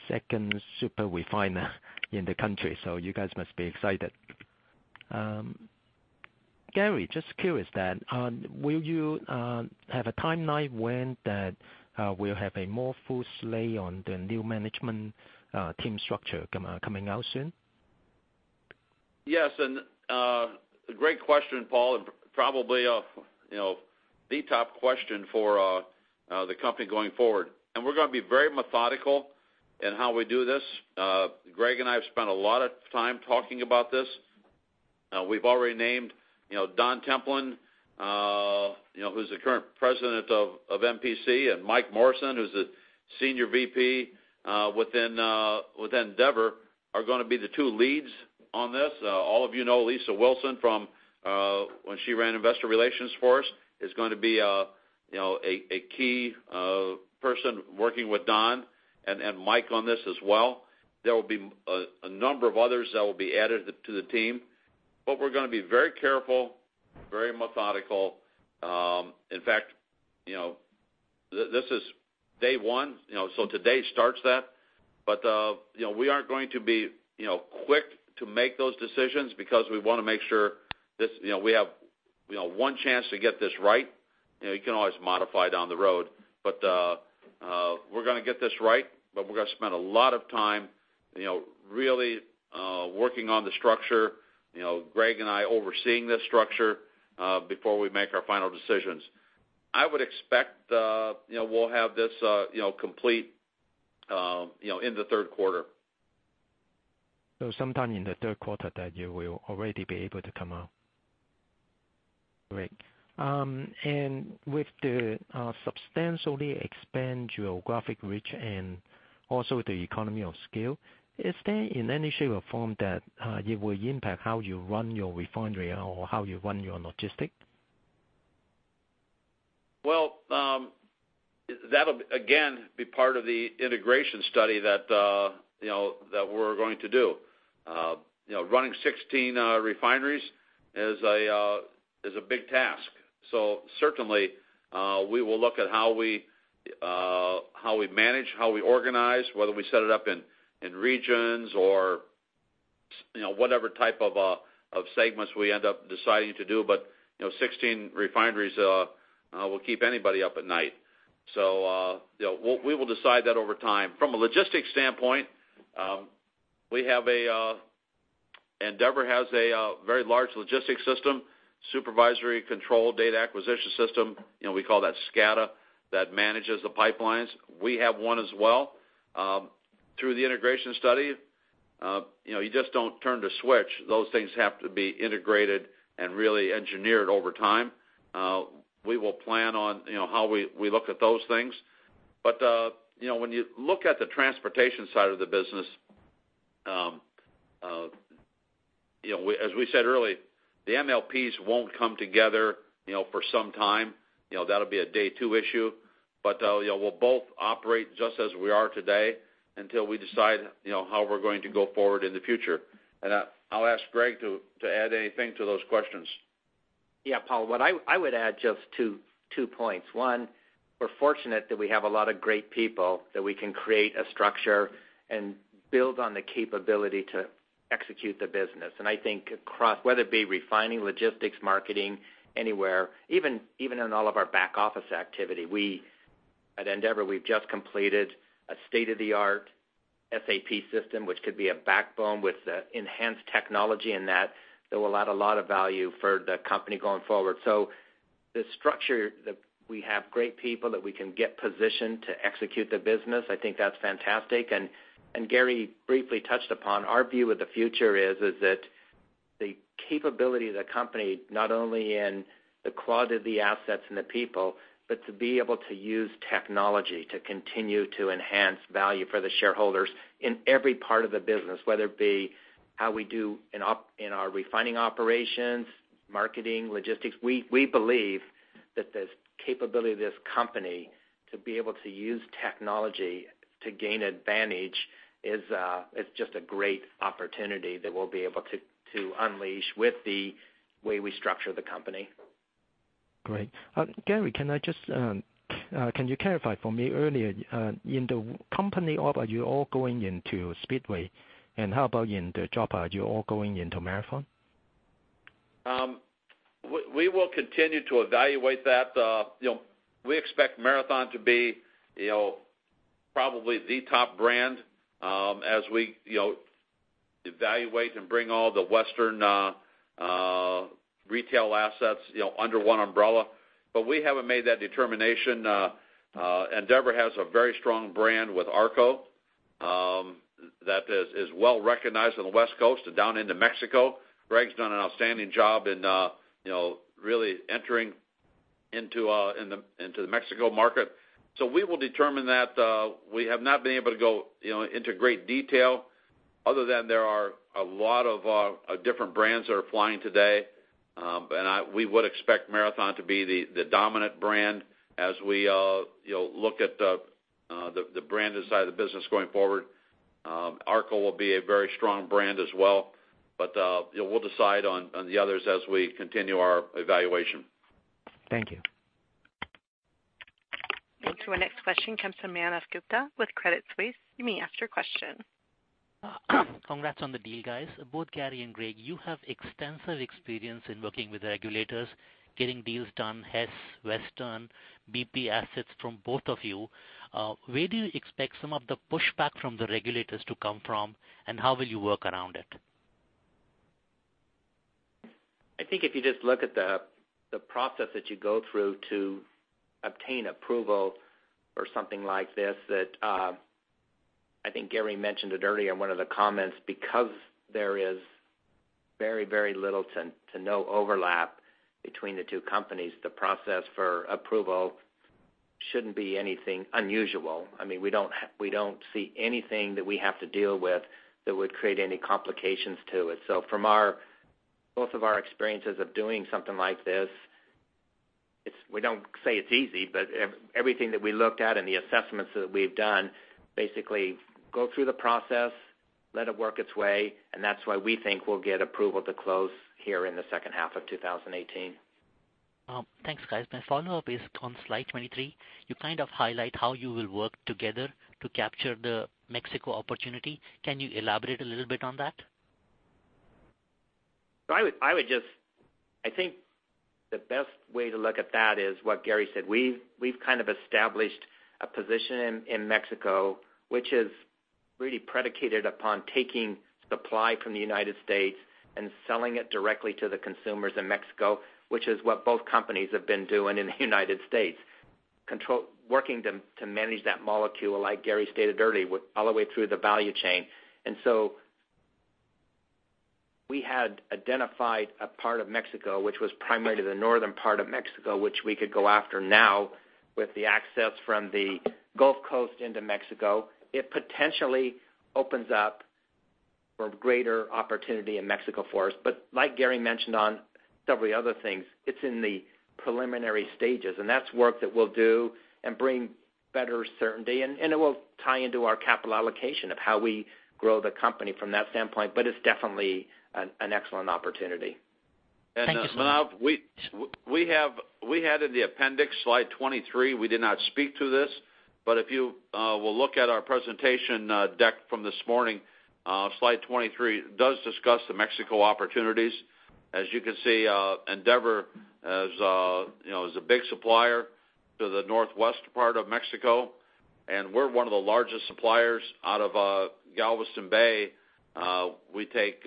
second super refiner in the country, so you guys must be excited. Gary, just curious then, will you have a timeline when we'll have a more full slate on the new management team structure coming out soon? Yes, a great question, Paul, and probably the top question for the company going forward. We're going to be very methodical in how we do this. Greg and I have spent a lot of time talking about this. We've already named Don Templin, who's the current President of MPC, and Mike Morrison, who's the Senior VP within Andeavor, are going to be the two leads on this. All of you know Lisa Wilson from when she ran Investor Relations for us, is going to be a key person working with Don and Mike on this as well. There will be a number of others that will be added to the team. We're going to be very careful, very methodical. In fact, this is day one. Today starts that. We aren't going to be quick to make those decisions because we want to make sure We have one chance to get this right. You can always modify down the road. We're gonna get this right. We're gonna spend a lot of time really working on the structure, Greg and I overseeing this structure, before we make our final decisions. I would expect we'll have this complete in the third quarter. Sometime in the third quarter that you will already be able to come out. Great. With the substantially expand geographic reach and also the economy of scale, is there in any shape or form that it will impact how you run your refinery or how you run your logistics? Well, that'll again be part of the integration study that we're going to do. Running 16 refineries is a big task. Certainly, we will look at how we manage, how we organize, whether we set it up in regions or whatever type of segments we end up deciding to do. 16 refineries will keep anybody up at night. We will decide that over time. From a logistics standpoint, Andeavor has a very large logistics system, supervisory control data acquisition system, we call that SCADA, that manages the pipelines. We have one as well. Through the integration study you just don't turn the switch. Those things have to be integrated and really engineered over time. We will plan on how we look at those things. When you look at the transportation side of the business, as we said earlier, the MLPs won't come together for some time. That'll be a day 2 issue. We'll both operate just as we are today until we decide how we're going to go forward in the future. I'll ask Greg to add anything to those questions. Yeah, Paul, I would add just two points. One, we're fortunate that we have a lot of great people that we can create a structure and build on the capability to execute the business. I think across, whether it be refining, logistics, marketing, anywhere, even in all of our back office activity. At Andeavor, we've just completed a state-of-the-art SAP system, which could be a backbone with enhanced technology in that will add a lot of value for the company going forward. The structure that we have great people that we can get positioned to execute the business, I think that's fantastic. Gary briefly touched upon our view of the future is that the capability of the company, not only in the quality of the assets and the people, but to be able to use technology to continue to enhance value for the shareholders in every part of the business, whether it be how we do in our refining operations, marketing, logistics. We believe that the capability of this company to be able to use technology to gain advantage is just a great opportunity that we'll be able to unleash with the way we structure the company. Great. Gary, can you clarify for me earlier, in the company op, are you all going into Speedway? How about in the job, are you all going into Marathon? We will continue to evaluate that. We expect Marathon to be probably the top brand as we evaluate and bring all the Western retail assets under one umbrella. We haven't made that determination. Andeavor has a very strong brand with ARCO that is well-recognized on the West Coast and down into Mexico. Greg's done an outstanding job in really entering into the Mexico market. We will determine that. We have not been able to go into great detail other than there are a lot of different brands that are applying today. We would expect Marathon to be the dominant brand as we look at the branded side of the business going forward. ARCO will be a very strong brand as well. We'll decide on the others as we continue our evaluation. Thank you. Thanks. Our next question comes from Manav Gupta with Credit Suisse. You may ask your question. Congrats on the deal, guys. Both Gary and Greg, you have extensive experience in working with regulators, getting deals done, Hess, Western, BP assets from both of you. Where do you expect some of the pushback from the regulators to come from, and how will you work around it? I think if you just look at the process that you go through to obtain approval for something like this, that I think Gary mentioned it earlier in one of the comments, because there is very little to no overlap between the two companies, the process for approval shouldn't be anything unusual. We don't see anything that we have to deal with that would create any complications to it. From both of our experiences of doing something like this, we don't say it's easy, but everything that we looked at and the assessments that we've done, basically go through the process, let it work its way, and that's why we think we'll get approval to close here in the second half of 2018. Thanks, guys. My follow-up is on slide 23. You kind of highlight how you will work together to capture the Mexico opportunity. Can you elaborate a little bit on that? I think the best way to look at that is what Gary said. We've kind of established a position in Mexico, which is really predicated upon taking supply from the United States and selling it directly to the consumers in Mexico, which is what both companies have been doing in the United States. Working to manage that molecule, like Gary stated earlier, all the way through the value chain. We had identified a part of Mexico, which was primarily the northern part of Mexico, which we could go after now with the access from the Gulf Coast into Mexico. It potentially opens up for greater opportunity in Mexico for us. Like Gary mentioned on several other things, it's in the preliminary stages, and that's work that we'll do and bring better certainty, and it will tie into our capital allocation of how we grow the company from that standpoint. It's definitely an excellent opportunity. Thank you so much. Manav, we had in the appendix, slide 23, we did not speak to this, but if you will look at our presentation deck from this morning, slide 23 does discuss the Mexico opportunities. As you can see, Andeavor is a big supplier to the northwest part of Mexico, and we're one of the largest suppliers out of Galveston Bay. We take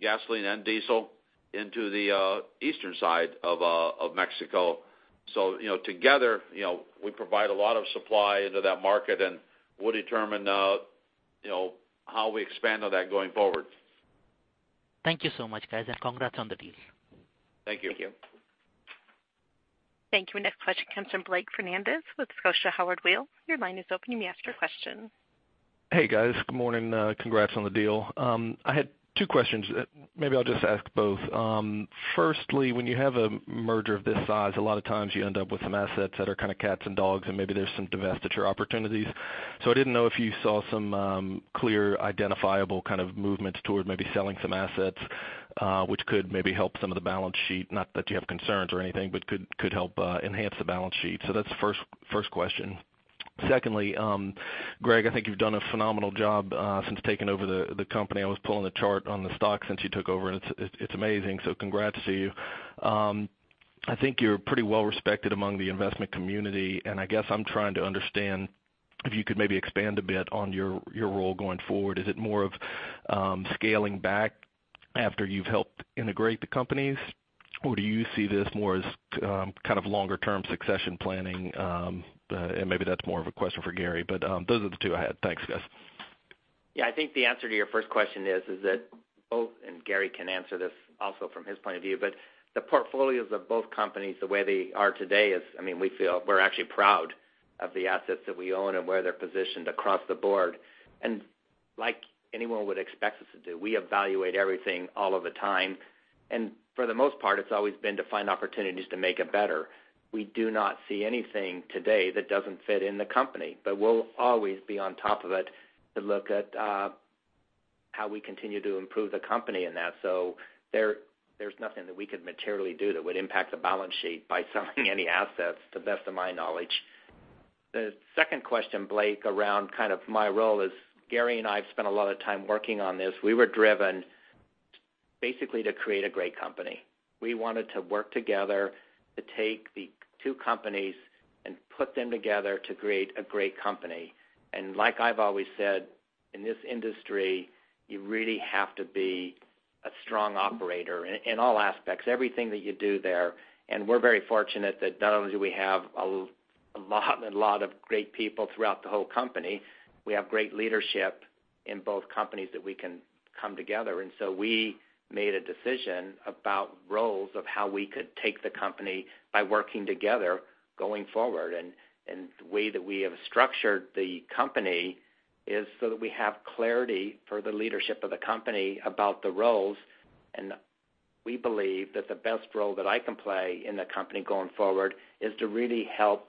gasoline and diesel into the eastern side of Mexico. Together, we provide a lot of supply into that market, and we'll determine how we expand on that going forward. Thank you so much, guys, and congrats on the deal. Thank you. Thank you. Thank you. Next question comes from Blake Fernandez with Scotiabank Howard Weil. Your line is open. You may ask your question. Hey, guys. Good morning. Congrats on the deal. I had two questions. Maybe I'll just ask both. Firstly, when you have a merger of this size, a lot of times you end up with some assets that are kind of cats and dogs, and maybe there's some divestiture opportunities. I didn't know if you saw some clear, identifiable kind of movement toward maybe selling some assets, which could maybe help some of the balance sheet. Not that you have concerns or anything, but could help enhance the balance sheet. That's the first question. Secondly, Greg, I think you've done a phenomenal job since taking over the company. I was pulling the chart on the stock since you took over, and it's amazing. Congrats to you. I think you're pretty well-respected among the investment community, and I guess I'm trying to understand if you could maybe expand a bit on your role going forward. Is it more of scaling back after you've helped integrate the companies? Or do you see this more as kind of longer-term succession planning? Maybe that's more of a question for Gary, but those are the two I had. Thanks, guys. I think the answer to your first question is that both, and Gary can answer this also from his point of view, but the portfolios of both companies, the way they are today is, we feel we're actually proud of the assets that we own and where they're positioned across the board. Like anyone would expect us to do, we evaluate everything all of the time. For the most part, it's always been to find opportunities to make it better. We do not see anything today that doesn't fit in the company, but we'll always be on top of it to look at how we continue to improve the company in that. There's nothing that we could materially do that would impact the balance sheet by selling any assets, to the best of my knowledge. The second question, Blake, around kind of my role is, Gary and I have spent a lot of time working on this. We were driven Basically to create a great company. We wanted to work together to take the two companies and put them together to create a great company. Like I've always said, in this industry, you really have to be a strong operator in all aspects, everything that you do there. We're very fortunate that not only do we have a lot of great people throughout the whole company, we have great leadership in both companies that we can come together. We made a decision about roles of how we could take the company by working together going forward. The way that we have structured the company is so that we have clarity for the leadership of the company about the roles. We believe that the best role that I can play in the company going forward is to really help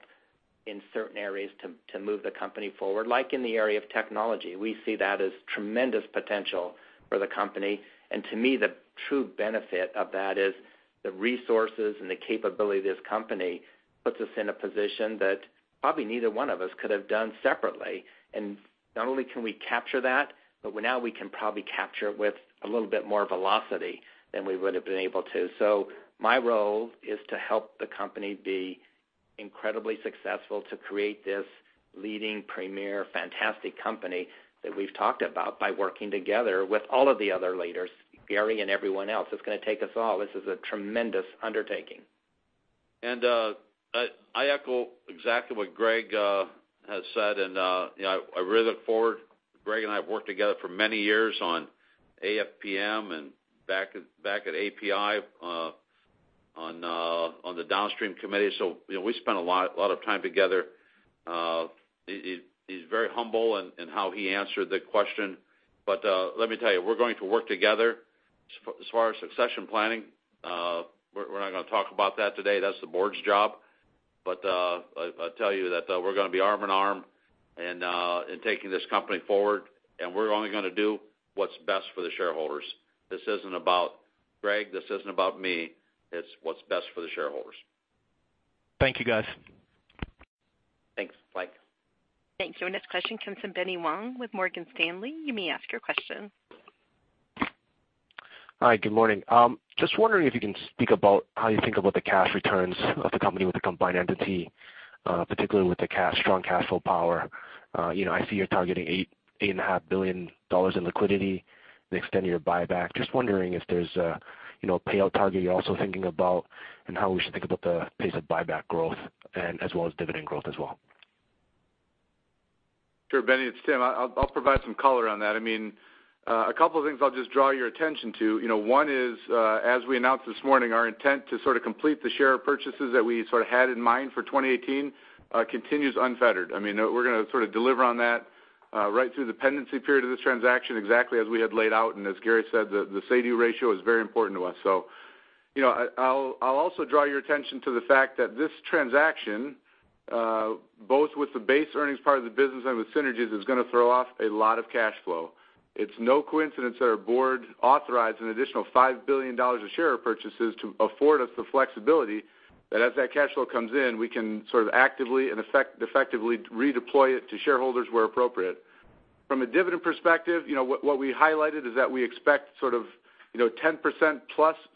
in certain areas to move the company forward, like in the area of technology. We see that as tremendous potential for the company. To me, the true benefit of that is the resources and the capability of this company puts us in a position that probably neither one of us could have done separately. Not only can we capture that, but now we can probably capture it with a little bit more velocity than we would have been able to. My role is to help the company be incredibly successful to create this leading, premier, fantastic company that we've talked about by working together with all of the other leaders, Gary and everyone else. It's going to take us all. This is a tremendous undertaking. I echo exactly what Greg has said, I really look forward. Greg and I have worked together for many years on AFPM and back at API on the downstream committee. We spent a lot of time together. He's very humble in how he answered the question. Let me tell you, we're going to work together. As far as succession planning, we're not going to talk about that today. That's the board's job. I'll tell you that we're going to be arm in arm in taking this company forward, and we're only going to do what's best for the shareholders. This isn't about Greg, this isn't about me. It's what's best for the shareholders. Thank you, guys. Thanks, Blake. Thank you. Our next question comes from Benny Wong with Morgan Stanley. You may ask your question. Hi, good morning. Just wondering if you can speak about how you think about the cash returns of the company with the combined entity, particularly with the strong cash flow power. I see you're targeting $8.5 billion in liquidity, the extent of your buyback. Just wondering if there's a payout target you're also thinking about and how we should think about the pace of buyback growth as well as dividend growth as well. Sure, Benny, it's Tim. I'll provide some color on that. A couple of things I'll just draw your attention to. One is as we announced this morning, our intent to sort of complete the share purchases that we sort of had in mind for 2018 continues unfettered. We're going to sort of deliver on that right through the pendency period of this transaction, exactly as we had laid out. As Gary said, the say-do ratio is very important to us. I'll also draw your attention to the fact that this transaction both with the base earnings part of the business and with synergies, is going to throw off a lot of cash flow. It's no coincidence that our board authorized an additional $5 billion of share purchases to afford us the flexibility that as that cash flow comes in, we can sort of actively and effectively redeploy it to shareholders where appropriate. From a dividend perspective, what we highlighted is that we expect sort of 10%+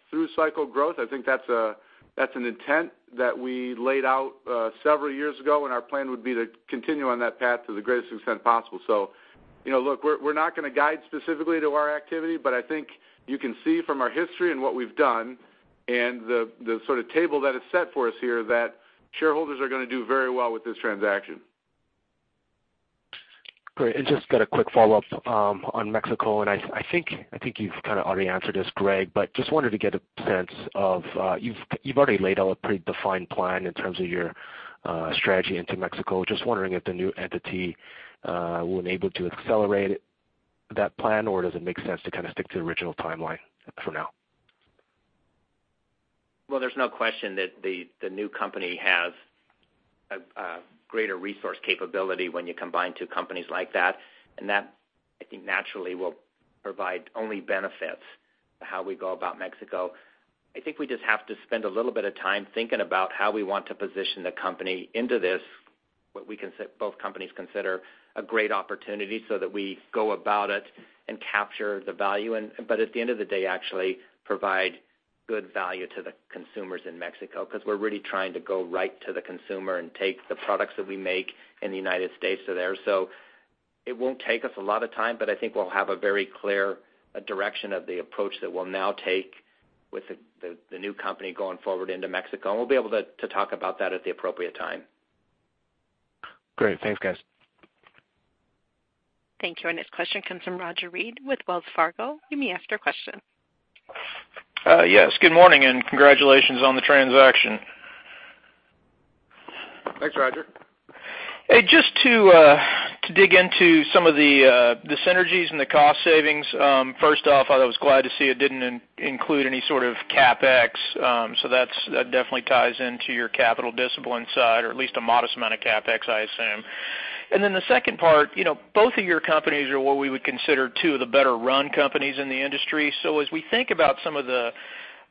through cycle growth. I think that's an intent that we laid out several years ago, and our plan would be to continue on that path to the greatest extent possible. Look, we're not going to guide specifically to our activity, but I think you can see from our history and what we've done and the sort of table that is set for us here, that shareholders are going to do very well with this transaction. Great. Just got a quick follow-up on Mexico, and I think you've kind of already answered this, Greg, but just wanted to get a sense of, you've already laid out a pretty defined plan in terms of your strategy into Mexico. Just wondering if the new entity will enable to accelerate that plan, or does it make sense to kind of stick to the original timeline for now? Well, there's no question that the new company has a greater resource capability when you combine two companies like that, and that, I think, naturally will provide only benefits to how we go about Mexico. I think we just have to spend a little bit of time thinking about how we want to position the company into this, what both companies consider a great opportunity so that we go about it and capture the value, but at the end of the day, actually provide good value to the consumers in Mexico, because we're really trying to go right to the consumer and take the products that we make in the United States to there. It won't take us a lot of time, but I think we'll have a very clear direction of the approach that we'll now take with the new company going forward into Mexico, and we'll be able to talk about that at the appropriate time. Great. Thanks, guys. Thank you. Our next question comes from Roger Read with Wells Fargo. You may ask your question. Yes. Good morning, and congratulations on the transaction. Thanks, Roger. Hey, just to dig into some of the synergies and the cost savings. First off, I was glad to see it didn't include any sort of CapEx. That definitely ties into your capital discipline side or at least a modest amount of CapEx, I assume. The second part, both of your companies are what we would consider two of the better run companies in the industry. As we think about some of the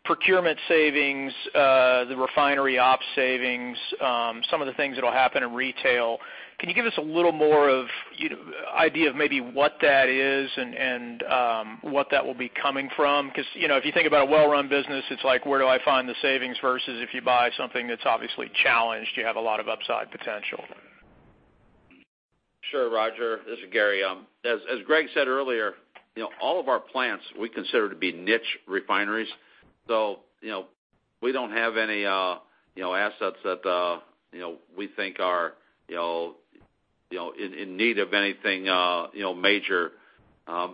Procurement savings, the refinery op savings, some of the things that'll happen in retail. Can you give us a little more of idea of maybe what that is and what that will be coming from? If you think about a well-run business, it's like, where do I find the savings versus if you buy something that's obviously challenged, you have a lot of upside potential. Roger Read, this is Gary Heminger. As Greg Goff said earlier, all of our plants we consider to be niche refineries. We don't have any assets that we think are in need of anything major. I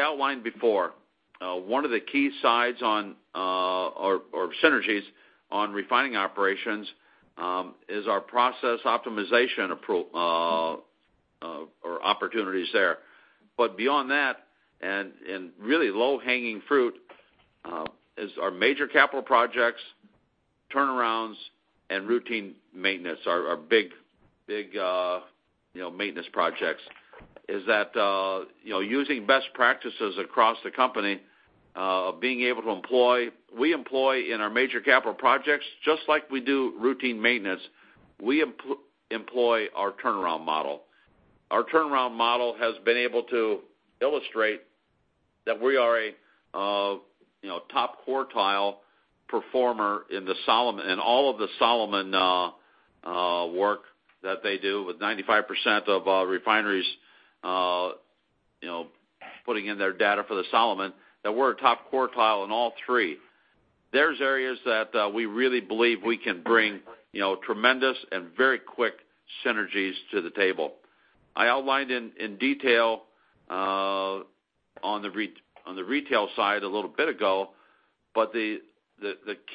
outlined before, one of the key sides or synergies on refining operations, is our process optimization opportunities there. Beyond that, and really low-hanging fruit, is our major capital projects, turnarounds, and routine maintenance. Our big maintenance projects, is that using best practices across the company. We employ in our major capital projects, just like we do routine maintenance, we employ our turnaround model. Our turnaround model has been able to illustrate that we are a top quartile performer in all of the Solomon Associates work that they do with 95% of refineries putting in their data for the Solomon Associates, that we're a top quartile in all three. There's areas that we really believe we can bring tremendous and very quick synergies to the table. I outlined in detail on the retail side a little bit ago. The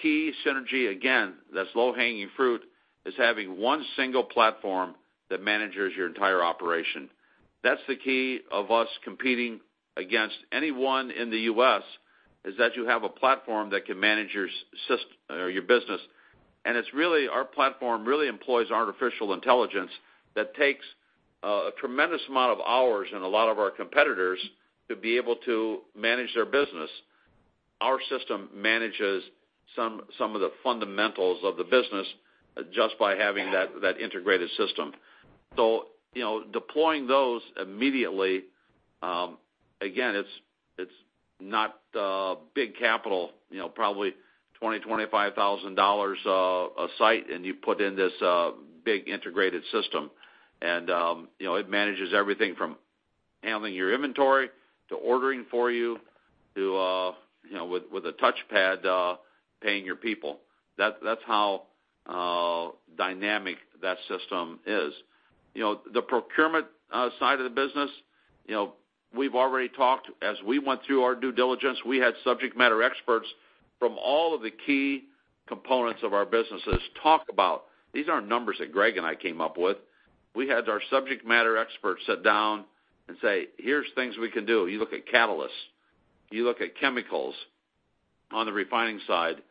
key synergy, again, that's low-hanging fruit, is having one single platform that manages your entire operation. That's the key of us competing against anyone in the U.S., is that you have a platform that can manage your business. Our platform really employs artificial intelligence that takes a tremendous amount of hours and a lot of our competitors to be able to manage their business. Our system manages some of the fundamentals of the business just by having that integrated system. Deploying those immediately, again, it's not big capital, probably $20,000, $25,000 a site, and you put in this big integrated system. It manages everything from handling your inventory to ordering for you to, with a touchpad, paying your people. That's how dynamic that system is. The procurement side of the business, we've already talked. As we went through our due diligence, we had subject matter experts from all of the key components of our businesses. These aren't numbers that Greg Goff and I came up with. We had our subject matter experts sit down and say, "Here's things we can do." You look at catalysts, you look at chemicals on the refining side,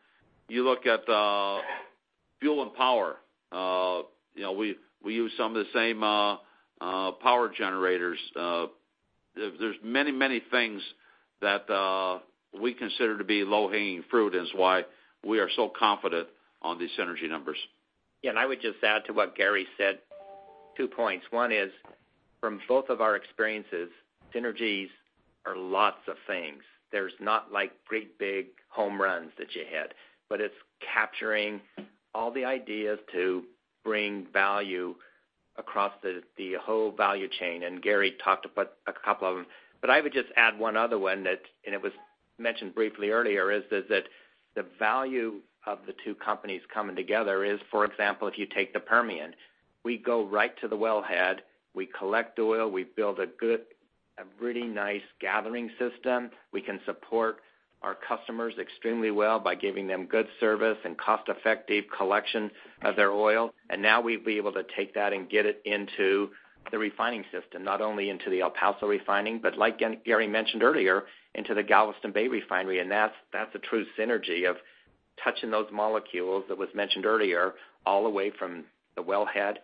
you look at fuel and power. We use some of the same power generators. There's many things that we consider to be low-hanging fruit, is why we are so confident on these synergy numbers. I would just add to what Gary Heminger said, two points. One is, from both of our experiences, synergies are lots of things. There's not big home runs that you hit. It's capturing all the ideas to bring value across the whole value chain, and Gary Heminger talked about a couple of them. I would just add one other one, and it was mentioned briefly earlier, is that the value of the two companies coming together is, for example, if you take the Permian. We go right to the wellhead, we collect oil, we build a really nice gathering system. We can support our customers extremely well by giving them good service and cost-effective collection of their oil. Now we'd be able to take that and get it into the refining system, not only into the El Paso refining, but like Gary mentioned earlier, into the Galveston Bay refinery, and that's a true synergy of touching those molecules that was mentioned earlier, all the way from the wellhead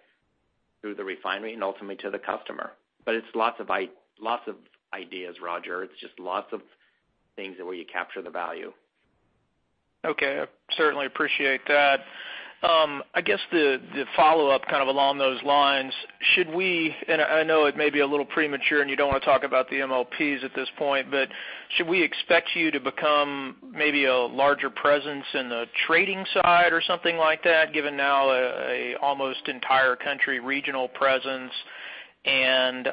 through the refinery and ultimately to the customer. It's lots of ideas, Roger. It's just lots of things where you capture the value. Okay. I certainly appreciate that. I guess the follow-up kind of along those lines, and I know it may be a little premature, and you don't want to talk about the MLPs at this point, should we expect you to become maybe a larger presence in the trading side or something like that, given now a almost entire country regional presence and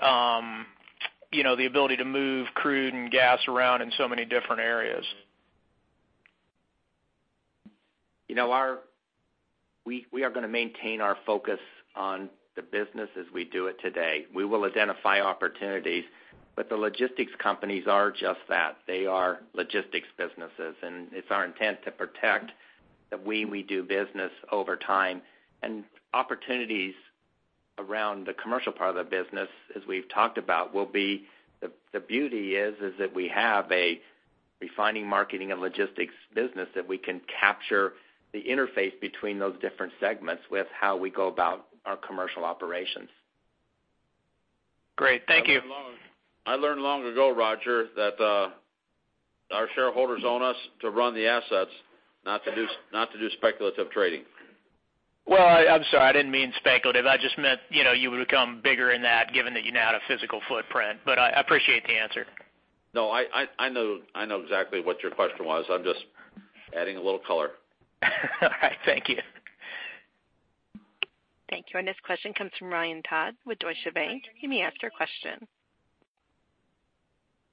the ability to move crude and gas around in so many different areas? We are going to maintain our focus on the business as we do it today. We will identify opportunities, the logistics companies are just that. They are logistics businesses, it's our intent to protect the way we do business over time. Opportunities around the commercial part of the business, as we've talked about, the beauty is that we have a refining, marketing, and logistics business that we can capture the interface between those different segments with how we go about our commercial operations. Great. Thank you. I learned long ago, Roger, that our shareholders own us to run the assets, not to do speculative trading. Well, I'm sorry, I didn't mean speculative. I just meant you would become bigger in that given that you now have a physical footprint. I appreciate the answer. No, I know exactly what your question was. I'm just adding a little color. All right. Thank you. Thank you. Our next question comes from Ryan Todd with Deutsche Bank. You may ask your question.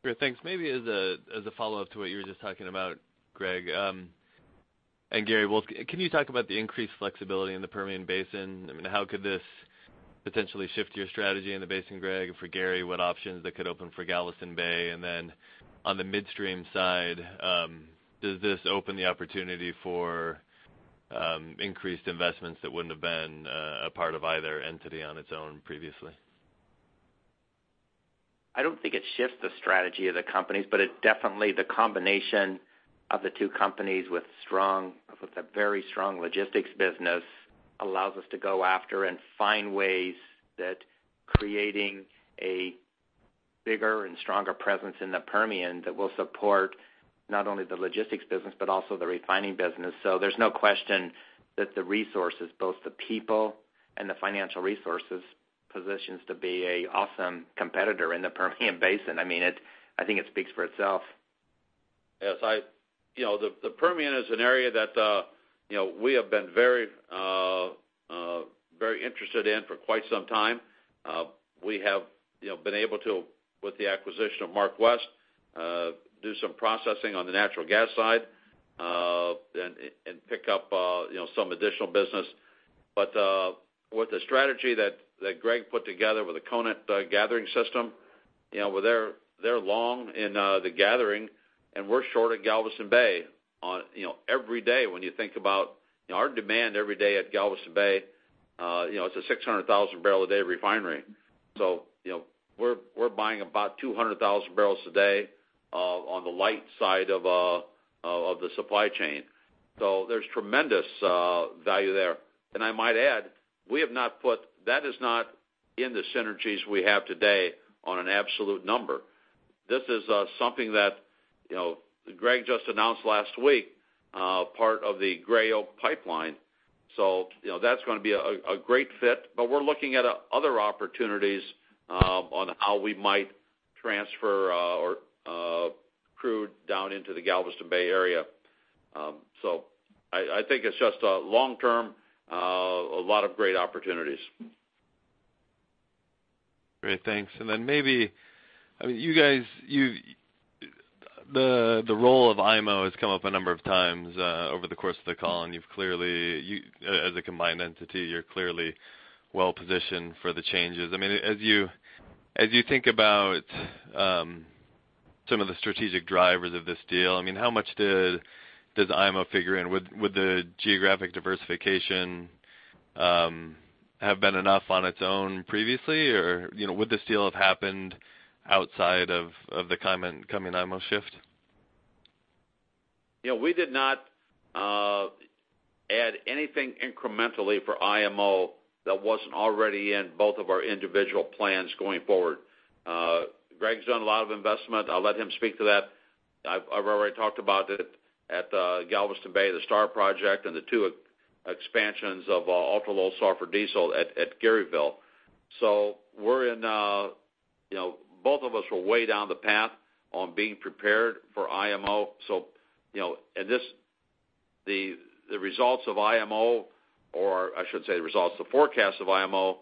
Sure. Thanks. Maybe as a follow-up to what you were just talking about, Greg and Gary, can you talk about the increased flexibility in the Permian Basin? How could this potentially shift your strategy in the basin, Greg? For Gary, what options that could open for Galveston Bay? Then on the midstream side, does this open the opportunity for increased investments that wouldn't have been a part of either entity on its own previously? I don't think it shifts the strategy of the companies, it definitely, the combination of the two companies with a very strong logistics business, allows us to go after and find ways that creating a bigger and stronger presence in the Permian that will support not only the logistics business but also the refining business. There's no question that the resources, both the people and the financial resources, positions to be an awesome competitor in the Permian Basin. I think it speaks for itself. Yes. The Permian is an area that we have been very interested in for quite some time. We have been able to, with the acquisition of MarkWest, do some processing on the natural gas side, and pick up some additional business. With the strategy that Greg put together with the Conan gathering system, they're long in the gathering and we're short at Galveston Bay. Every day, when you think about our demand every day at Galveston Bay, it's a 600,000 barrel a day refinery. We're buying about 200,000 barrels today on the light side of the supply chain. There's tremendous value there. I might add, that is not in the synergies we have today on an absolute number. This is something that Greg just announced last week, part of the Gray Oak pipeline. that's going to be a great fit, but we're looking at other opportunities on how we might transfer our crude down into the Galveston Bay Area. I think it's just long-term, a lot of great opportunities. Great. Thanks. The role of IMO has come up a number of times over the course of the call, and you've clearly, as a combined entity, you're clearly well positioned for the changes. As you think about some of the strategic drivers of this deal, how much does IMO figure in? Would the geographic diversification have been enough on its own previously? Or would this deal have happened outside of the coming IMO shift? We did not add anything incrementally for IMO that wasn't already in both of our individual plans going forward. Greg's done a lot of investment. I'll let him speak to that. I've already talked about it at Galveston Bay, the STAR project, and the two expansions of ultra-low sulfur diesel at Garyville. both of us were way down the path on being prepared for IMO. the forecast of IMO,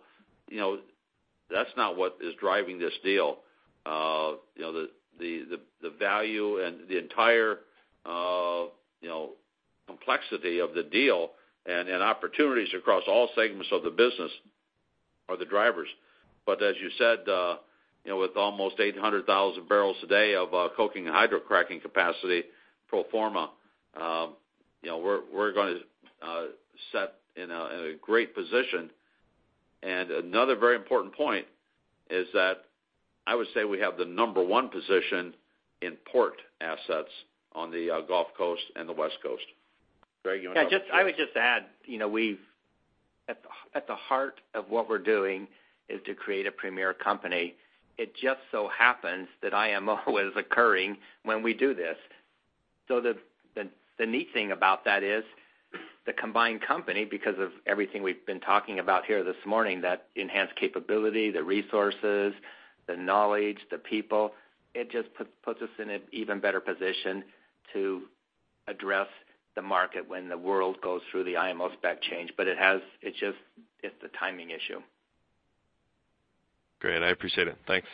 that's not what is driving this deal. The value and the entire complexity of the deal and opportunities across all segments of the business are the drivers. as you said, with almost 800,000 barrels today of coking hydrocracking capacity pro forma, we're going to set in a great position. another very important point is that I would say we have the number one position in port assets on the Gulf Coast and the West Coast. Greg, I would just add, at the heart of what we're doing is to create a premier company. It just so happens that IMO is occurring when we do this. The neat thing about that is the combined company, because of everything we've been talking about here this morning, that enhanced capability, the resources, the knowledge, the people, it just puts us in an even better position to address the market when the world goes through the IMO spec change. It's a timing issue. Great. I appreciate it. Thanks.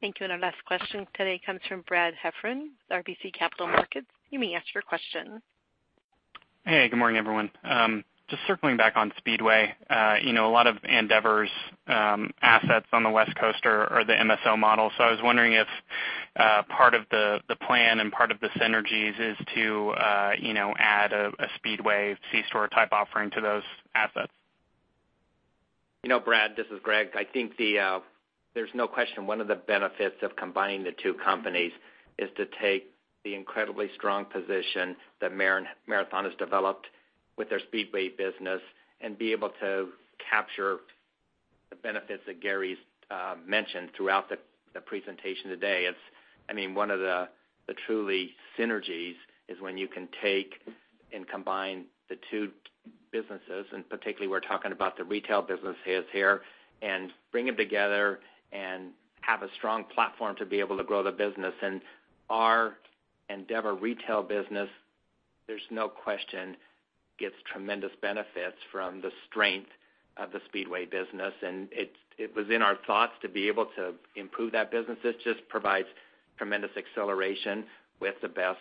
Thank you. Our last question today comes from Brad Heffern with RBC Capital Markets. You may ask your question. Good morning, everyone. Just circling back on Speedway. A lot of Andeavor's assets on the West Coast are the MSO model. I was wondering if part of the plan and part of the synergies is to add a Speedway C store type offering to those assets. Brad, this is Greg. There's no question, one of the benefits of combining the two companies is to take the incredibly strong position that Marathon has developed with their Speedway business and be able to capture the benefits that Gary's mentioned throughout the presentation today. One of the true synergies is when you can take and combine the two businesses, and particularly we're talking about the retail businesses here, and bring them together and have a strong platform to be able to grow the business. Our Andeavor retail business, there's no question, gets tremendous benefits from the strength of the Speedway business, and it was in our thoughts to be able to improve that business. This just provides tremendous acceleration with the best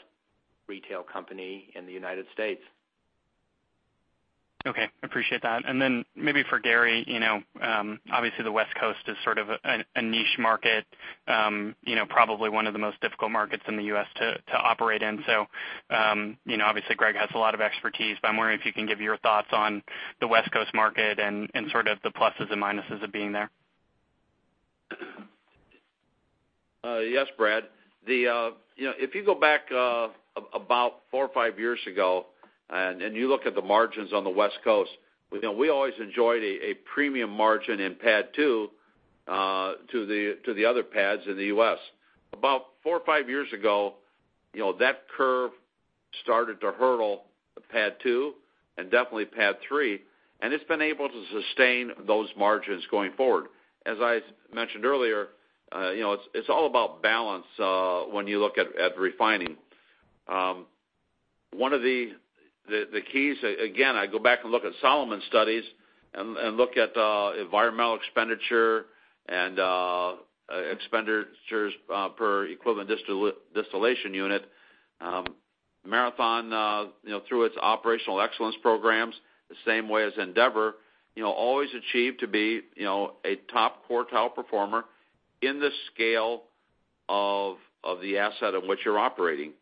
retail company in the U.S. Okay, appreciate that. Maybe for Gary, obviously the West Coast is sort of a niche market, probably one of the most difficult markets in the U.S. to operate in. Obviously Greg has a lot of expertise, but I'm wondering if you can give your thoughts on the West Coast market and sort of the pluses and minuses of being there. Yes, Brad. If you go back about four or five years ago, you look at the margins on the West Coast, we always enjoyed a premium margin in PADD 2 to the other PADDs in the U.S. About four or five years ago, that curve started to hurdle at PADD 2 and definitely PADD 3, and it's been able to sustain those margins going forward. As I mentioned earlier, it's all about balance when you look at refining. One of the keys, again, I go back and look at Solomon Studies and look at environmental expenditure and expenditures per equivalent distillation unit. Marathon, through its operational excellence programs, the same way as Andeavor, always achieved to be a top quartile performer in the scale of the asset in which you're operating.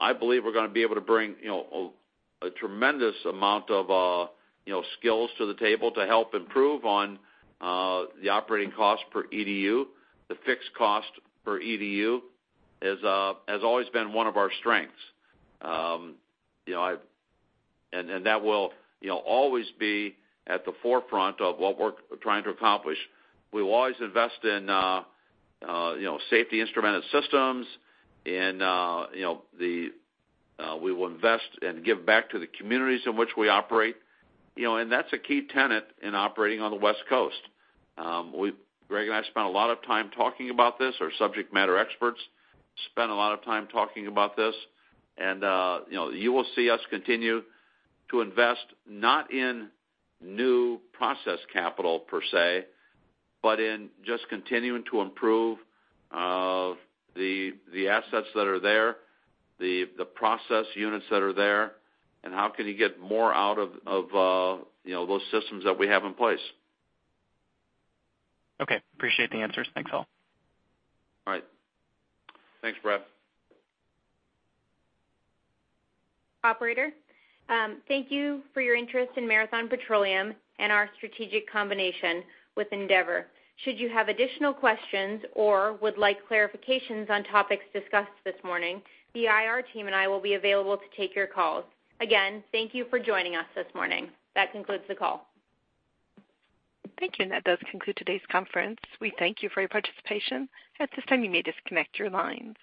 I believe we're going to be able to bring a tremendous amount of skills to the table to help improve on the operating cost per EDU. The fixed cost per EDU has always been one of our strengths. That will always be at the forefront of what we're trying to accomplish. We will always invest in safety instrumented systems, and we will invest and give back to the communities in which we operate. That's a key tenet in operating on the West Coast. Greg and I spent a lot of time talking about this. Our subject matter experts spent a lot of time talking about this. You will see us continue to invest, not in new process capital per se, but in just continuing to improve the assets that are there, the process units that are there, and how can you get more out of those systems that we have in place. Okay. Appreciate the answers. Thanks, all. All right. Thanks, Brad. Operator, thank you for your interest in Marathon Petroleum and our strategic combination with Andeavor. Should you have additional questions or would like clarifications on topics discussed this morning, the IR team and I will be available to take your calls. Again, thank you for joining us this morning. That concludes the call. Thank you, and that does conclude today's conference. We thank you for your participation. At this time, you may disconnect your lines.